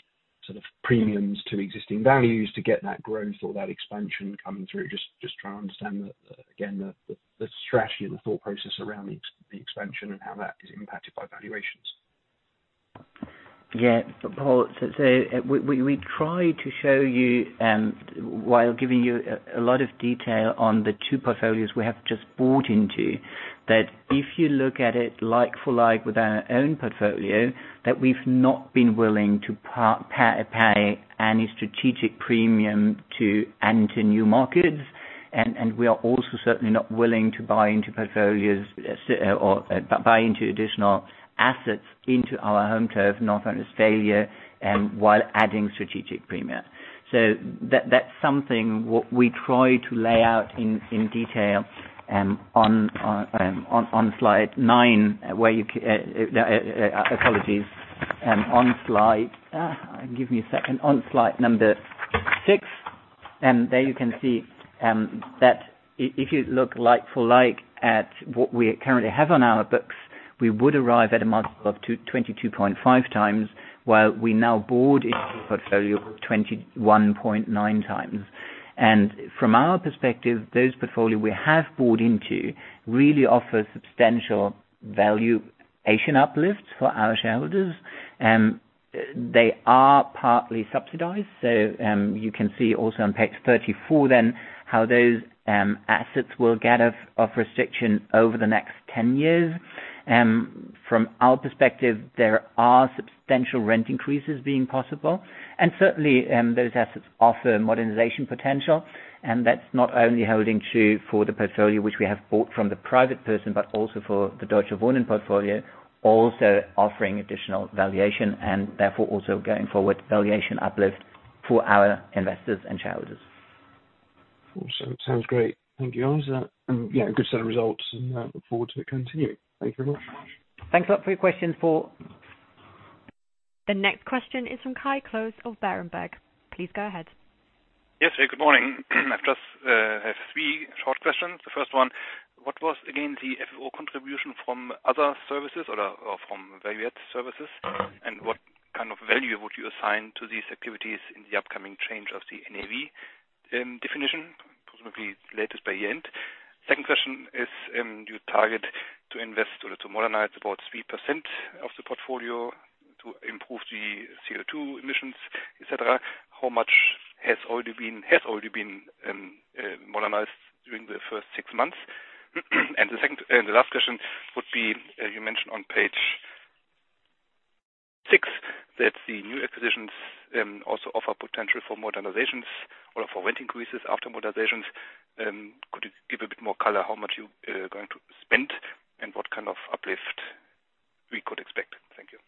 premiums to existing values to get that growth or that expansion coming through? Just trying to understand again, the strategy and the thought process around the expansion and how that is impacted by valuations. Yeah. Paul, we try to show you, while giving you a lot of detail on the two portfolios we have just bought into that if you look at it like-for-like with our own portfolio, that we've not been willing to pay any strategic premium to enter new markets. We are also certainly not willing to buy into portfolios or buy into additional assets into our home turf, North Rhine-Westphalia, while adding strategic premium. That's something, what we try to lay out in detail on slide nine. Apologies. Give me a second. On slide number six, there you can see that if you look like-for-like at what we currently have on our books, we would arrive at a multiple of 22.5 times, while we now board into the portfolio 21.9 times. From our perspective, those portfolio we have bought into really offer substantial valuation uplifts for our shareholders. They are partly subsidized. You can see also on page 34 then how those assets will get off restriction over the next 10 years. From our perspective, there are substantial rent increases being possible and certainly, those assets offer modernization potential, and that's not only holding true for the portfolio which we have bought from the private person, but also for the Deutsche Wohnen portfolio, also offering additional valuation and therefore also going forward valuation uplift for our investors and shareholders. Awesome. Sounds great. Thank you, Lars. Yeah, a good set of results and look forward to it continuing. Thank you very much. Thanks a lot for your question, Paul. The next question is from Kai Klose of Berenberg. Please go ahead. Yes. Good morning. I just have three short questions. The first one. What was again the FFO contribution from other services or from value-add services? What kind of value would you assign to these activities in the upcoming change of the NAV definition, possibly latest by year-end? Second question is, you target to invest or to modernize about 3% of the portfolio to improve the CO2 emissions, et cetera. How much has already been modernized during the first six months? The last question would be, you mentioned on page six that the new acquisitions also offer potential for modernizations or for rent increases after modernizations. Could you give a bit more color how much you are going to spend and what kind of uplift we could expect? Thank you.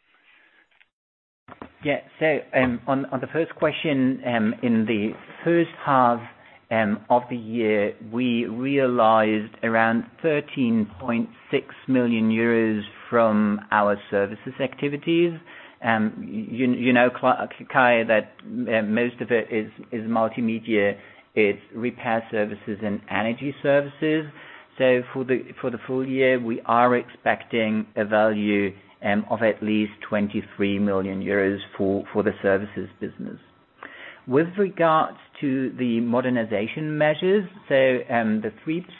Yeah. On the first question, in the first half of the year, we realized around 13.6 million euros from our services activities. You know, Kai, that most of it is multimedia, it's repair services and energy services. For the full year, we are expecting a value of at least 23 million euros for the services business. With regards to the modernization measures, so the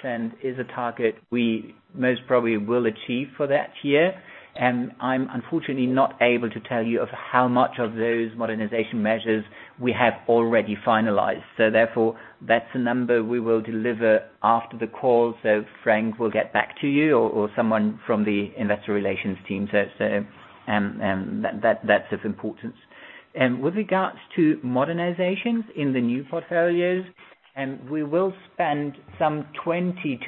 3% is a target we most probably will achieve for that year. I'm unfortunately not able to tell you of how much of those modernization measures we have already finalized. Therefore, that's a number we will deliver after the call, so Frank will get back to you or someone from the investor relations team. That's of importance. With regards to modernizations in the new portfolios, we will spend some 20-30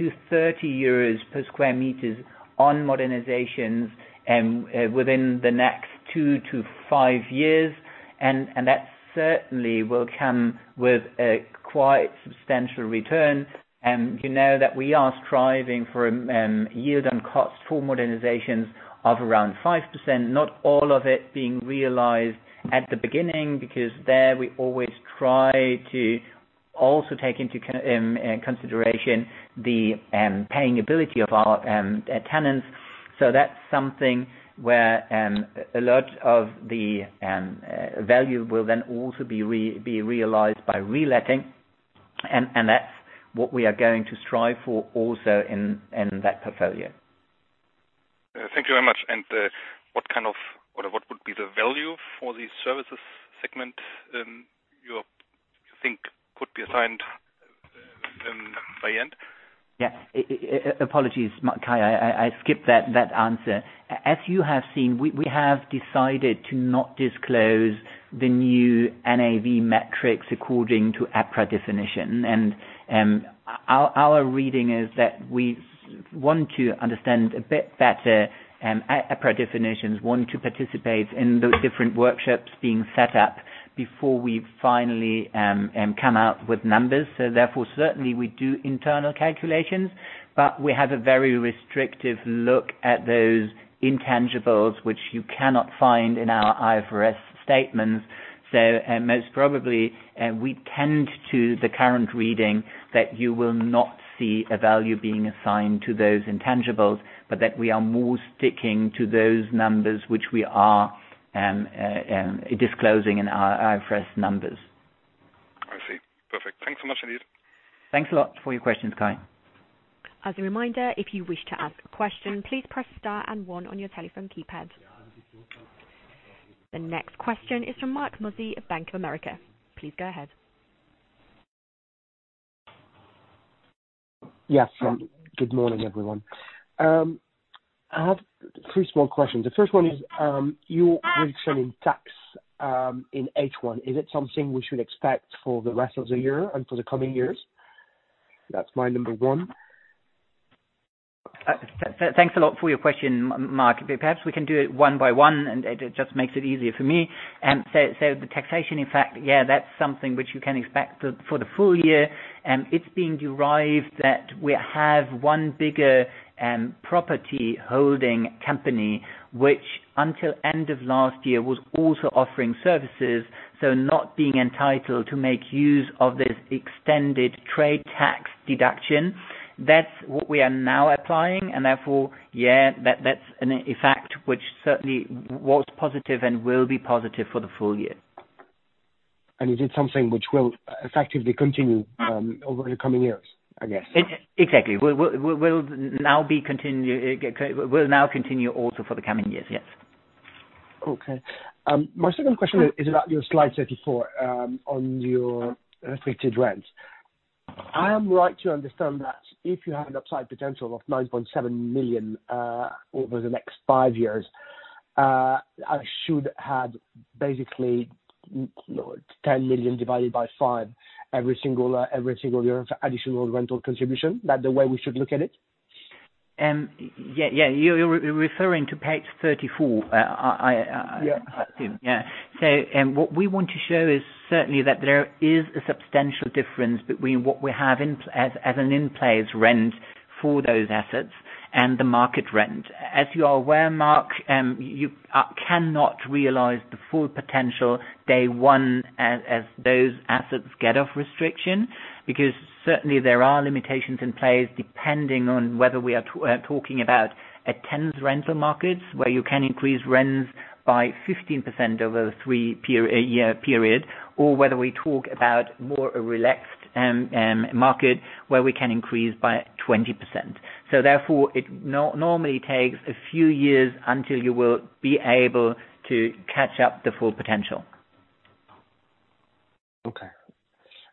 euros per square meter on modernizations within the next two to five years. That certainly will come with a quite substantial return. You know that we are striving for yield on cost for modernizations of around 5%, not all of it being realized at the beginning, because there we always try to also take into consideration the paying ability of our tenants. That's something where a lot of the value will then also be realized by reletting, and that's what we are going to strive for also in that portfolio. Thank you very much. What would be the value for the services segment you think could be assigned by end? Yeah. Apologies, Kai, I skipped that answer. As you have seen, we have decided to not disclose the new NAV metrics according to EPRA definition. Our reading is that we want to understand a bit better EPRA definitions, want to participate in those different workshops being set up before we finally come out with numbers. Therefore, certainly we do internal calculations, but we have a very restrictive look at those intangibles, which you cannot find in our IFRS statements. Most probably, we tend to the current reading that you will not see a value being assigned to those intangibles, but that we are more sticking to those numbers, which we are disclosing in our IFRS numbers. I see. Perfect. Thanks so much, Lars. Thanks a lot for your questions, Kai. As a reminder, if you wish to ask a question, please press star and one on your telephone keypad. The next question is from Marc Mozzi of Bank of America. Please go ahead. Yes. Good morning, everyone. I have three small questions. The first one is, your reduction in tax in H1, is it something we should expect for the rest of the year and for the coming years? That's my number one. Thanks a lot for your question, Marc. Perhaps we can do it one by one, it just makes it easier for me. The taxation, in fact, yeah, that's something which you can expect for the full year. It's being derived that we have one bigger property holding company, which until end of last year was also offering services, so not being entitled to make use of this extended trade tax deduction. That's what we are now applying, therefore, yeah, that's an effect which certainly was positive and will be positive for the full year. Is it something which will effectively continue over the coming years, I guess? Exactly. Will now continue also for the coming years, yes. My second question is about your slide 34, on your affected rents. I am right to understand that if you have an upside potential of 9.7 million over the next five years, I should add basically 10 million divided by five every single year of additional rental contribution. Is that the way we should look at it? Yeah. You're referring to page 34. Yeah. What we want to show is certainly that there is a substantial difference between what we have as an in-place rent for those assets and the market rent. As you are aware, Marc, you cannot realize the full potential day one as those assets get off restriction, because certainly there are limitations in place depending on whether we are talking about a tenant rental markets, where you can increase rents by 15% over a year period, or whether we talk about more a relaxed market where we can increase by 20%. Therefore, it normally takes a few years until you will be able to catch up the full potential. Okay.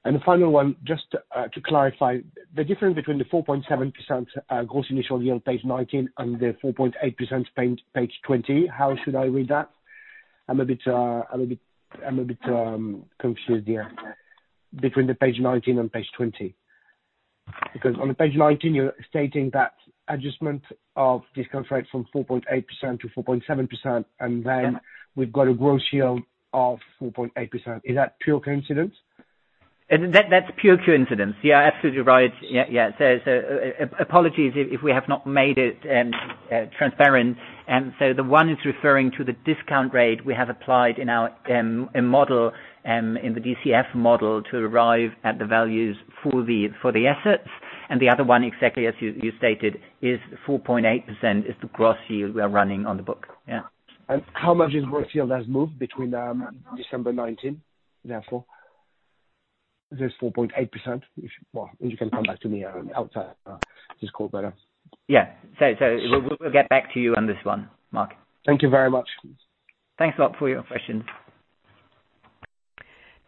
The final one, just to clarify, the difference between the 4.7% gross initial yield, page 19, and the 4.8%, page 20. How should I read that? I am a bit confused there between the page 19 and page 20. On page 19, you are stating that adjustment of discount rate from 4.8%-4.7%, and then we have got a gross yield of 4.8%. Is that pure coincidence? That's pure coincidence. You are absolutely right. Yeah. Apologies if we have not made it transparent. The one is referring to the discount rate we have applied in our model, in the DCF model to arrive at the values for the assets. The other one, exactly as you stated, is 4.8%, is the gross yield we are running on the book. Yeah. How much this gross yield has moved between December 2019, therefore. This 4.8%. Well, you can come back to me outside this call better. Yeah. We'll get back to you on this one, Marc. Thank you very much. Thanks a lot for your questions.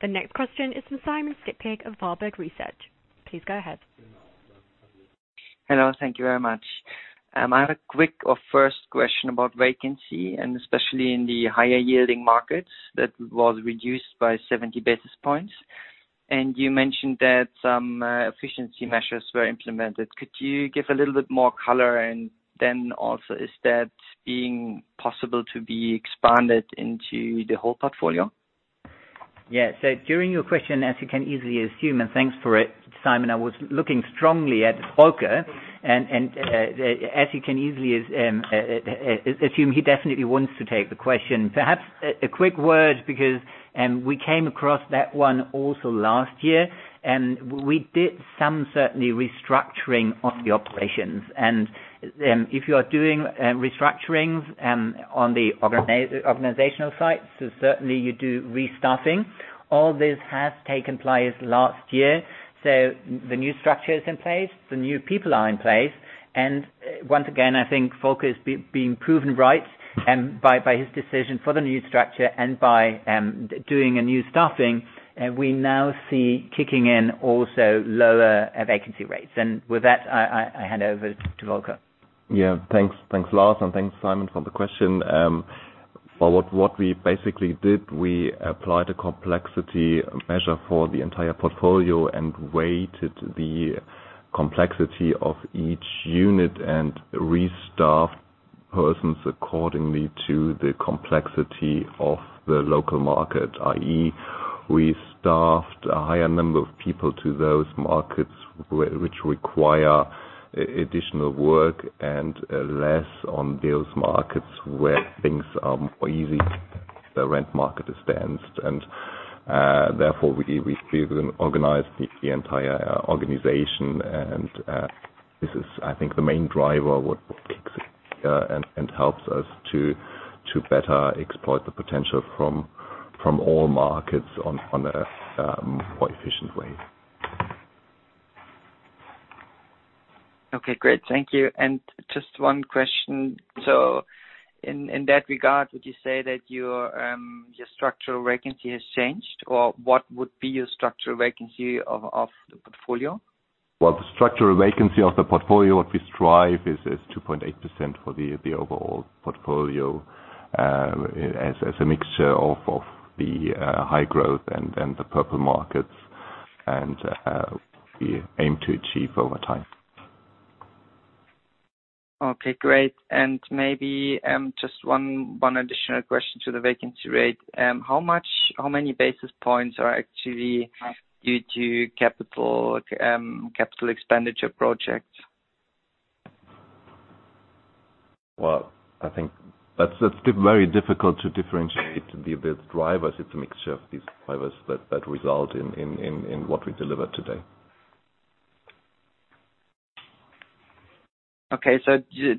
The next question is from Simon Stippig of Warburg Research. Please go ahead. Hello. Thank you very much. I have a quick or first question about vacancy, and especially in the higher yielding markets that was reduced by 70 basis points. You mentioned that some efficiency measures were implemented. Could you give a little bit more color? Is that being possible to be expanded into the whole portfolio? Yeah. During your question, as you can easily assume, thanks for it, Simon, I was looking strongly at Volker, as you can easily assume, he definitely wants to take the question. Perhaps a quick word because, we came across that one also last year, we did some certainly restructuring of the operations. If you are doing restructurings on the organizational side, certainly you do restaffing. All this has taken place last year, the new structure is in place, the new people are in place. Once again, I think Volker is being proven right by his decision for the new structure and by doing a new staffing. We now see kicking in also lower vacancy rates. With that, I hand over to Volker. Yeah. Thanks, Lars, and thanks, Simon, for the question. For what we basically did, we applied a complexity measure for the entire portfolio and weighted the complexity of each unit and restaffed persons accordingly to the complexity of the local market, i.e., we staffed a higher number of people to those markets which require additional work and less on those markets where things are more easy, the rent market is dense. Therefore, we organized the entire organization and this is, I think, the main driver, what kicks in and helps us to better exploit the potential from all markets on a more efficient way. Okay, great. Thank you. Just one question. In that regard, would you say that your structural vacancy has changed, or what would be your structural vacancy of the portfolio? Well, the structural vacancy of the portfolio, what we strive is 2.8% for the overall portfolio, as a mixture of the high growth and the purple markets, and we aim to achieve over time. Okay, great. Maybe, just one additional question to the vacancy rate. How many basis points are actually due to capital expenditure projects? Well, I think that's very difficult to differentiate the drivers. It's a mixture of these drivers that result in what we deliver today. Okay.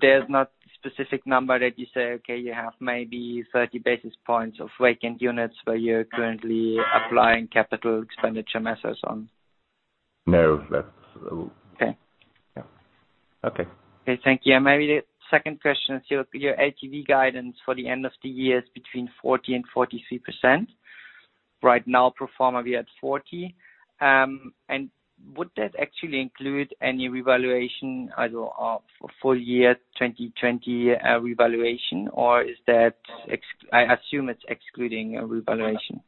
There's not specific number that you say, okay, you have maybe 30 basis points of vacant units where you're currently applying capital expenditure measures on? No. That's. Okay. Yeah. Okay. Okay, thank you. Maybe the second question is your LTV guidance for the end of the year is between 40% and 43%. Right now, pro forma, we are at 40%. Would that actually include any revaluation, either a full year 2020 revaluation, or I assume it's excluding a revaluation.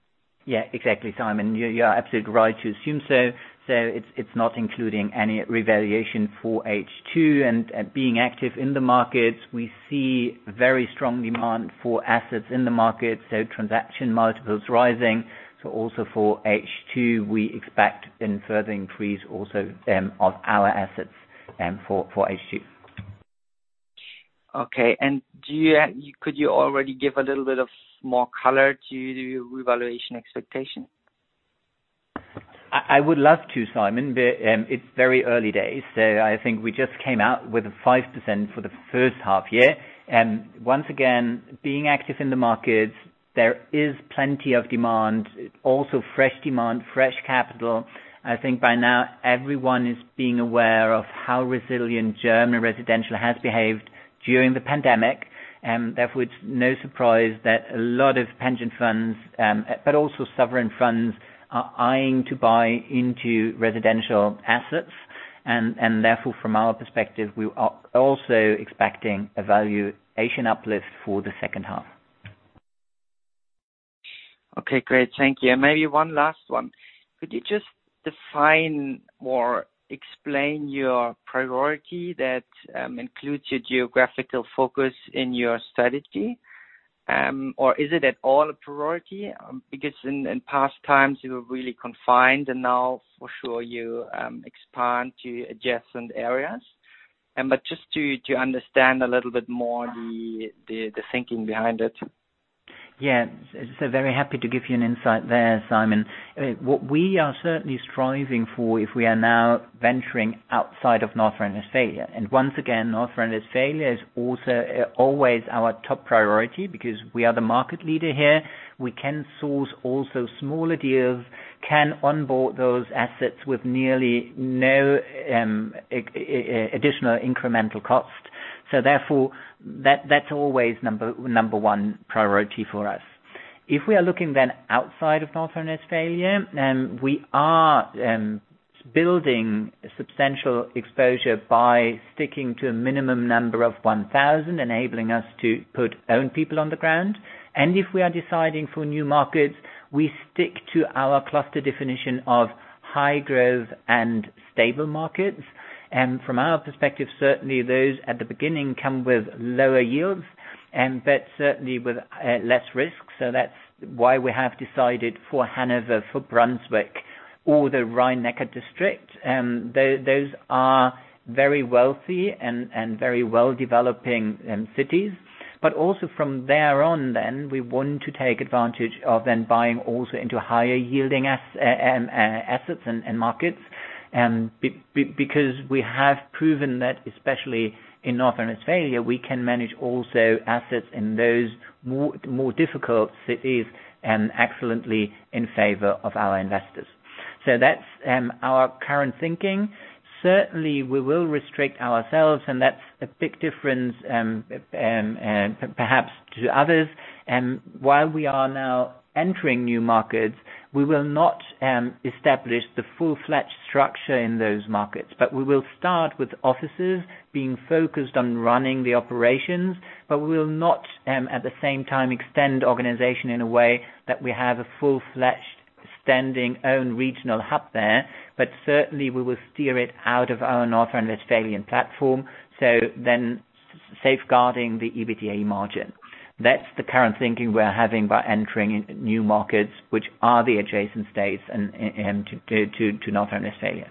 Yeah, exactly, Simon. You are absolutely right to assume so. It's not including any revaluation for H2. Being active in the markets, we see very strong demand for assets in the market, so transaction multiples rising. Also for H2, we expect a further increase also of our assets for H2. Okay. Could you already give a little bit of more color to the revaluation expectation? I would love to, Simon, but it's very early days. I think we just came out with a 5% for the first half year. Once again, being active in the markets, there is plenty of demand, also fresh demand, fresh capital. I think by now everyone is being aware of how resilient German residential has behaved during the pandemic, and therefore it's no surprise that a lot of pension funds, but also sovereign funds, are eyeing to buy into residential assets. Therefore from our perspective, we are also expecting a valuation uplift for the second half. Okay, great. Thank you. Maybe one last one. Could you just define or explain your priority that includes your geographical focus in your strategy? Or is it at all a priority? Because in past times you were really confined and now for sure you expand to adjacent areas. Just to understand a little bit more the thinking behind it. Yeah. Very happy to give you an insight there, Simon. What we are certainly striving for, if we are now venturing outside of North Rhine-Westphalia, and once again, North Rhine-Westphalia is also always our top priority because we are the market leader here. We can source also smaller deals, can onboard those assets with nearly no additional incremental cost. Therefore that's always number one priority for us. If we are looking then outside of North Rhine-Westphalia, then we are building substantial exposure by sticking to a minimum number of 1,000, enabling us to put own people on the ground. If we are deciding for new markets, we stick to our cluster definition of high growth and stable markets. From our perspective, certainly those at the beginning come with lower yields, but certainly with less risk. That's why we have decided for Hanover, for Brunswick or the Rhine-Neckar District. Those are very wealthy and very well-developing cities, but also from thereon then, we want to take advantage of then buying also into higher yielding assets and markets. We have proven that especially in North Rhine-Westphalia, we can manage also assets in those more difficult cities and excellently in favor of our investors. That's our current thinking. Certainly, we will restrict ourselves and that's a big difference perhaps to others, and while we are now entering new markets, we will not establish the full-fledged structure in those markets. We will start with offices being focused on running the operations, but we will not, at the same time, extend organization in a way that we have a full-fledged standing own regional hub there. Certainly we will steer it out of our North Rhine-Westphalian platform. Safeguarding the EBITDA margin. That's the current thinking we're having by entering new markets, which are the adjacent states to North Rhine-Westphalia.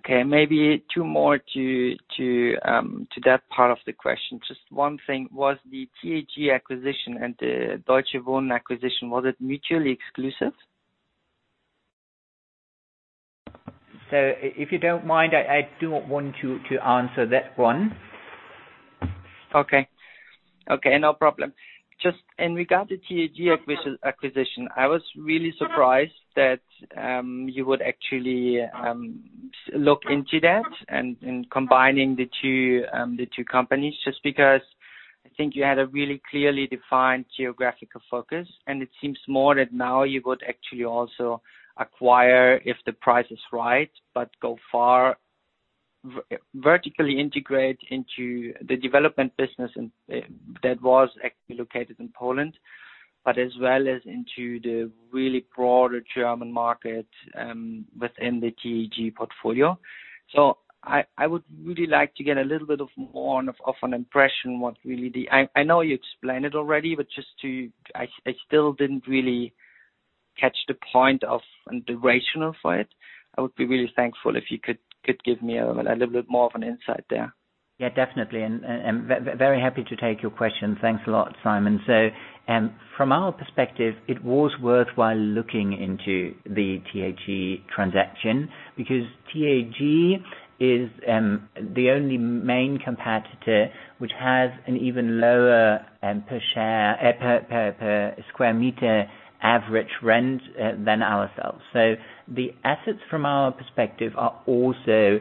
Okay. Maybe two more to that part of the question. Just one thing, was the TAG acquisition and the Deutsche Wohnen acquisition, was it mutually exclusive? If you don't mind, I do want to answer that one. Okay. No problem. Just in regard to TAG acquisition, I was really surprised that you would actually look into that and combining the two companies. Because I think you had a really clearly defined geographical focus, and it seems more that now you would actually also acquire if the price is right, but go far vertically integrate into the development business that was actually located in Poland, but as well as into the really broader German market within the TAG portfolio. I would really like to get a little bit of more of an impression what really the I know you explained it already, but I still didn't really catch the point of the rationale for it. I would be really thankful if you could give me a little bit more of an insight there. Definitely. Very happy to take your question. Thanks a lot, Simon. From our perspective, it was worthwhile looking into the TAG transaction because TAG is the only main competitor which has an even lower per square meter average rent than ourselves. The assets from our perspective are also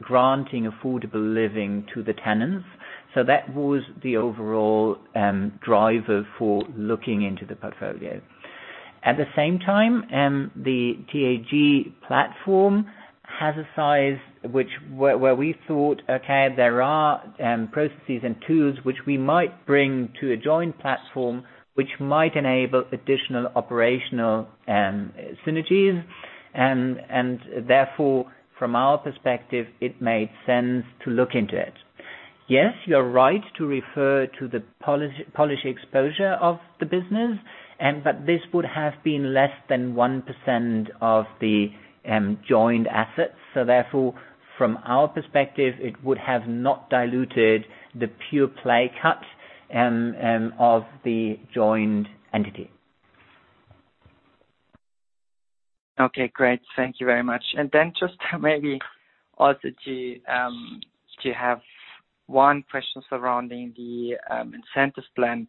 granting affordable living to the tenants. At the same time, the TAG platform has a size where we thought, there are processes and tools which we might bring to a joint platform, which might enable additional operational synergies and, therefore from our perspective, it made sense to look into it. Yes, you're right to refer to the Polish exposure of the business, but this would have been less than 1% of the joined assets. Therefore, from our perspective, it would have not diluted the pure play cut of the joined entity. Okay, great. Thank you very much. Just maybe also to have one question surrounding the incentives plan,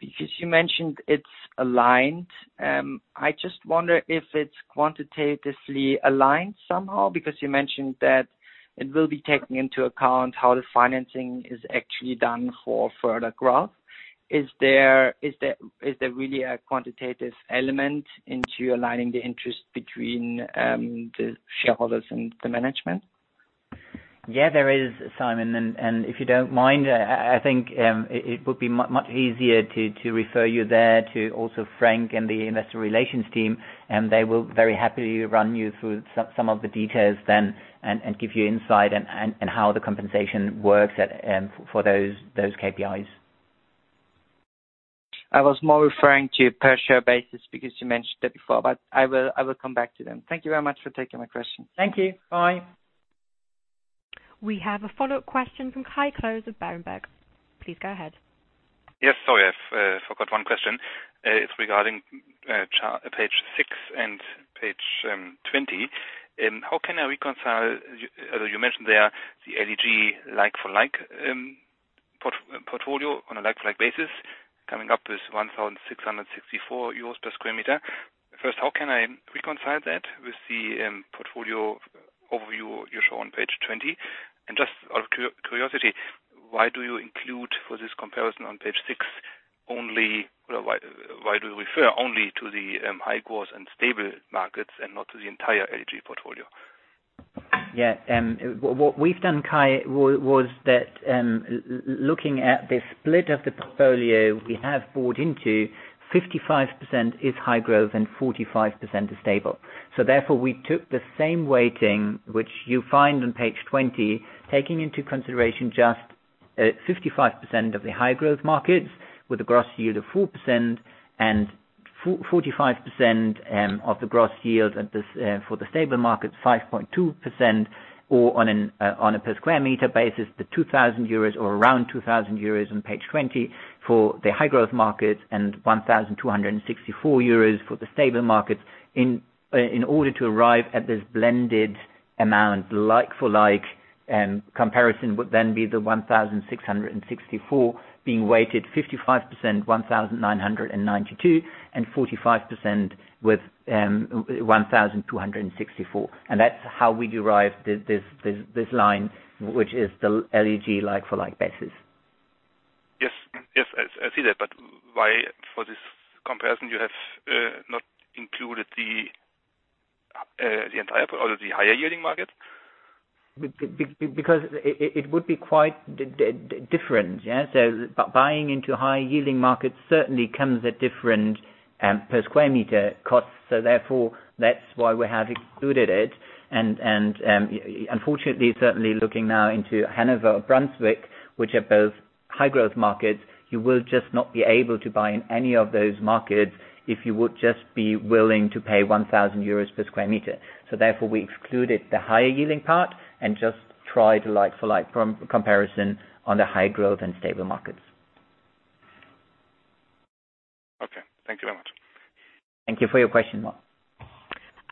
because you mentioned it's aligned. I just wonder if it's quantitatively aligned somehow, because you mentioned that it will be taking into account how the financing is actually done for further growth. Is there really a quantitative element into aligning the interest between the shareholders and the management? Yeah, there is Simon, and if you don't mind, I think it would be much easier to refer you there to also Frank and the investor relations team, and they will very happily run you through some of the details then and give you insight in how the compensation works for those KPIs. I was more referring to per share basis because you mentioned it before, I will come back to them. Thank you very much for taking my question. Thank you. Bye. We have a follow-up question from Kai Klose of Berenberg. Please go ahead. Yes. Sorry, I forgot one question. It's regarding page six and page 20. How can I reconcile, you mentioned there the LEG like-for-like portfolio on a like-to-like basis, coming up with 1,664 euros per square meter. First, how can I reconcile that with the portfolio overview you show on page 20? Just out of curiosity, why do you refer only to the high growth and stable markets and not to the entire LEG portfolio? Yeah. What we've done, Kai, was that looking at the split of the portfolio we have bought into, 55% is high growth and 45% is stable. Therefore, we took the same weighting, which you find on page 20, taking into consideration just 55% of the high growth markets with a gross yield of 4% and 45% of the gross yield for the stable markets, 5.2% or on a per square meter basis, the 2,000 euros or around 2,000 euros on page 20 for the high growth markets and 1,264 euros for the stable markets in order to arrive at this blended amount. Like-for-like comparison would then be the 1,664 being weighted 55%, 1,992 and 45% with 1,264. That's how we derive this line, which is the LEG Like-for-like basis. Yes. I see that. Why for this comparison, you have not included the entire portfolio, the higher yielding markets? It would be quite different. Buying into high yielding markets certainly comes at different per square meter cost. Therefore, that's why we have excluded it, and unfortunately, certainly looking now into Hanover, Brunswick, which are both high growth markets, you will just not be able to buy in any of those markets if you would just be willing to pay 1,000 euros per square meter. Therefore, we excluded the higher yielding part and just tried a like-for-like comparison on the high growth and stable markets. Okay. Thank you very much. Thank you for your question.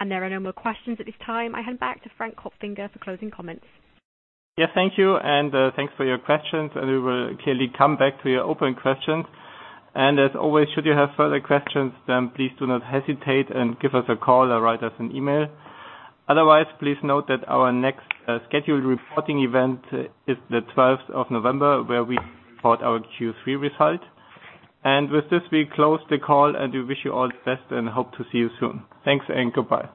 There are no more questions at this time. I hand back to Frank Kopfinger for closing comments. Yes, thank you, thanks for your questions, we will clearly come back to your open questions. As always, should you have further questions, please do not hesitate, give us a call or write us an email. Otherwise, please note that our next scheduled reporting event is the 12th of November, where we report our Q3 result. With this, we close the call, we wish you all the best and hope to see you soon. Thanks and goodbye.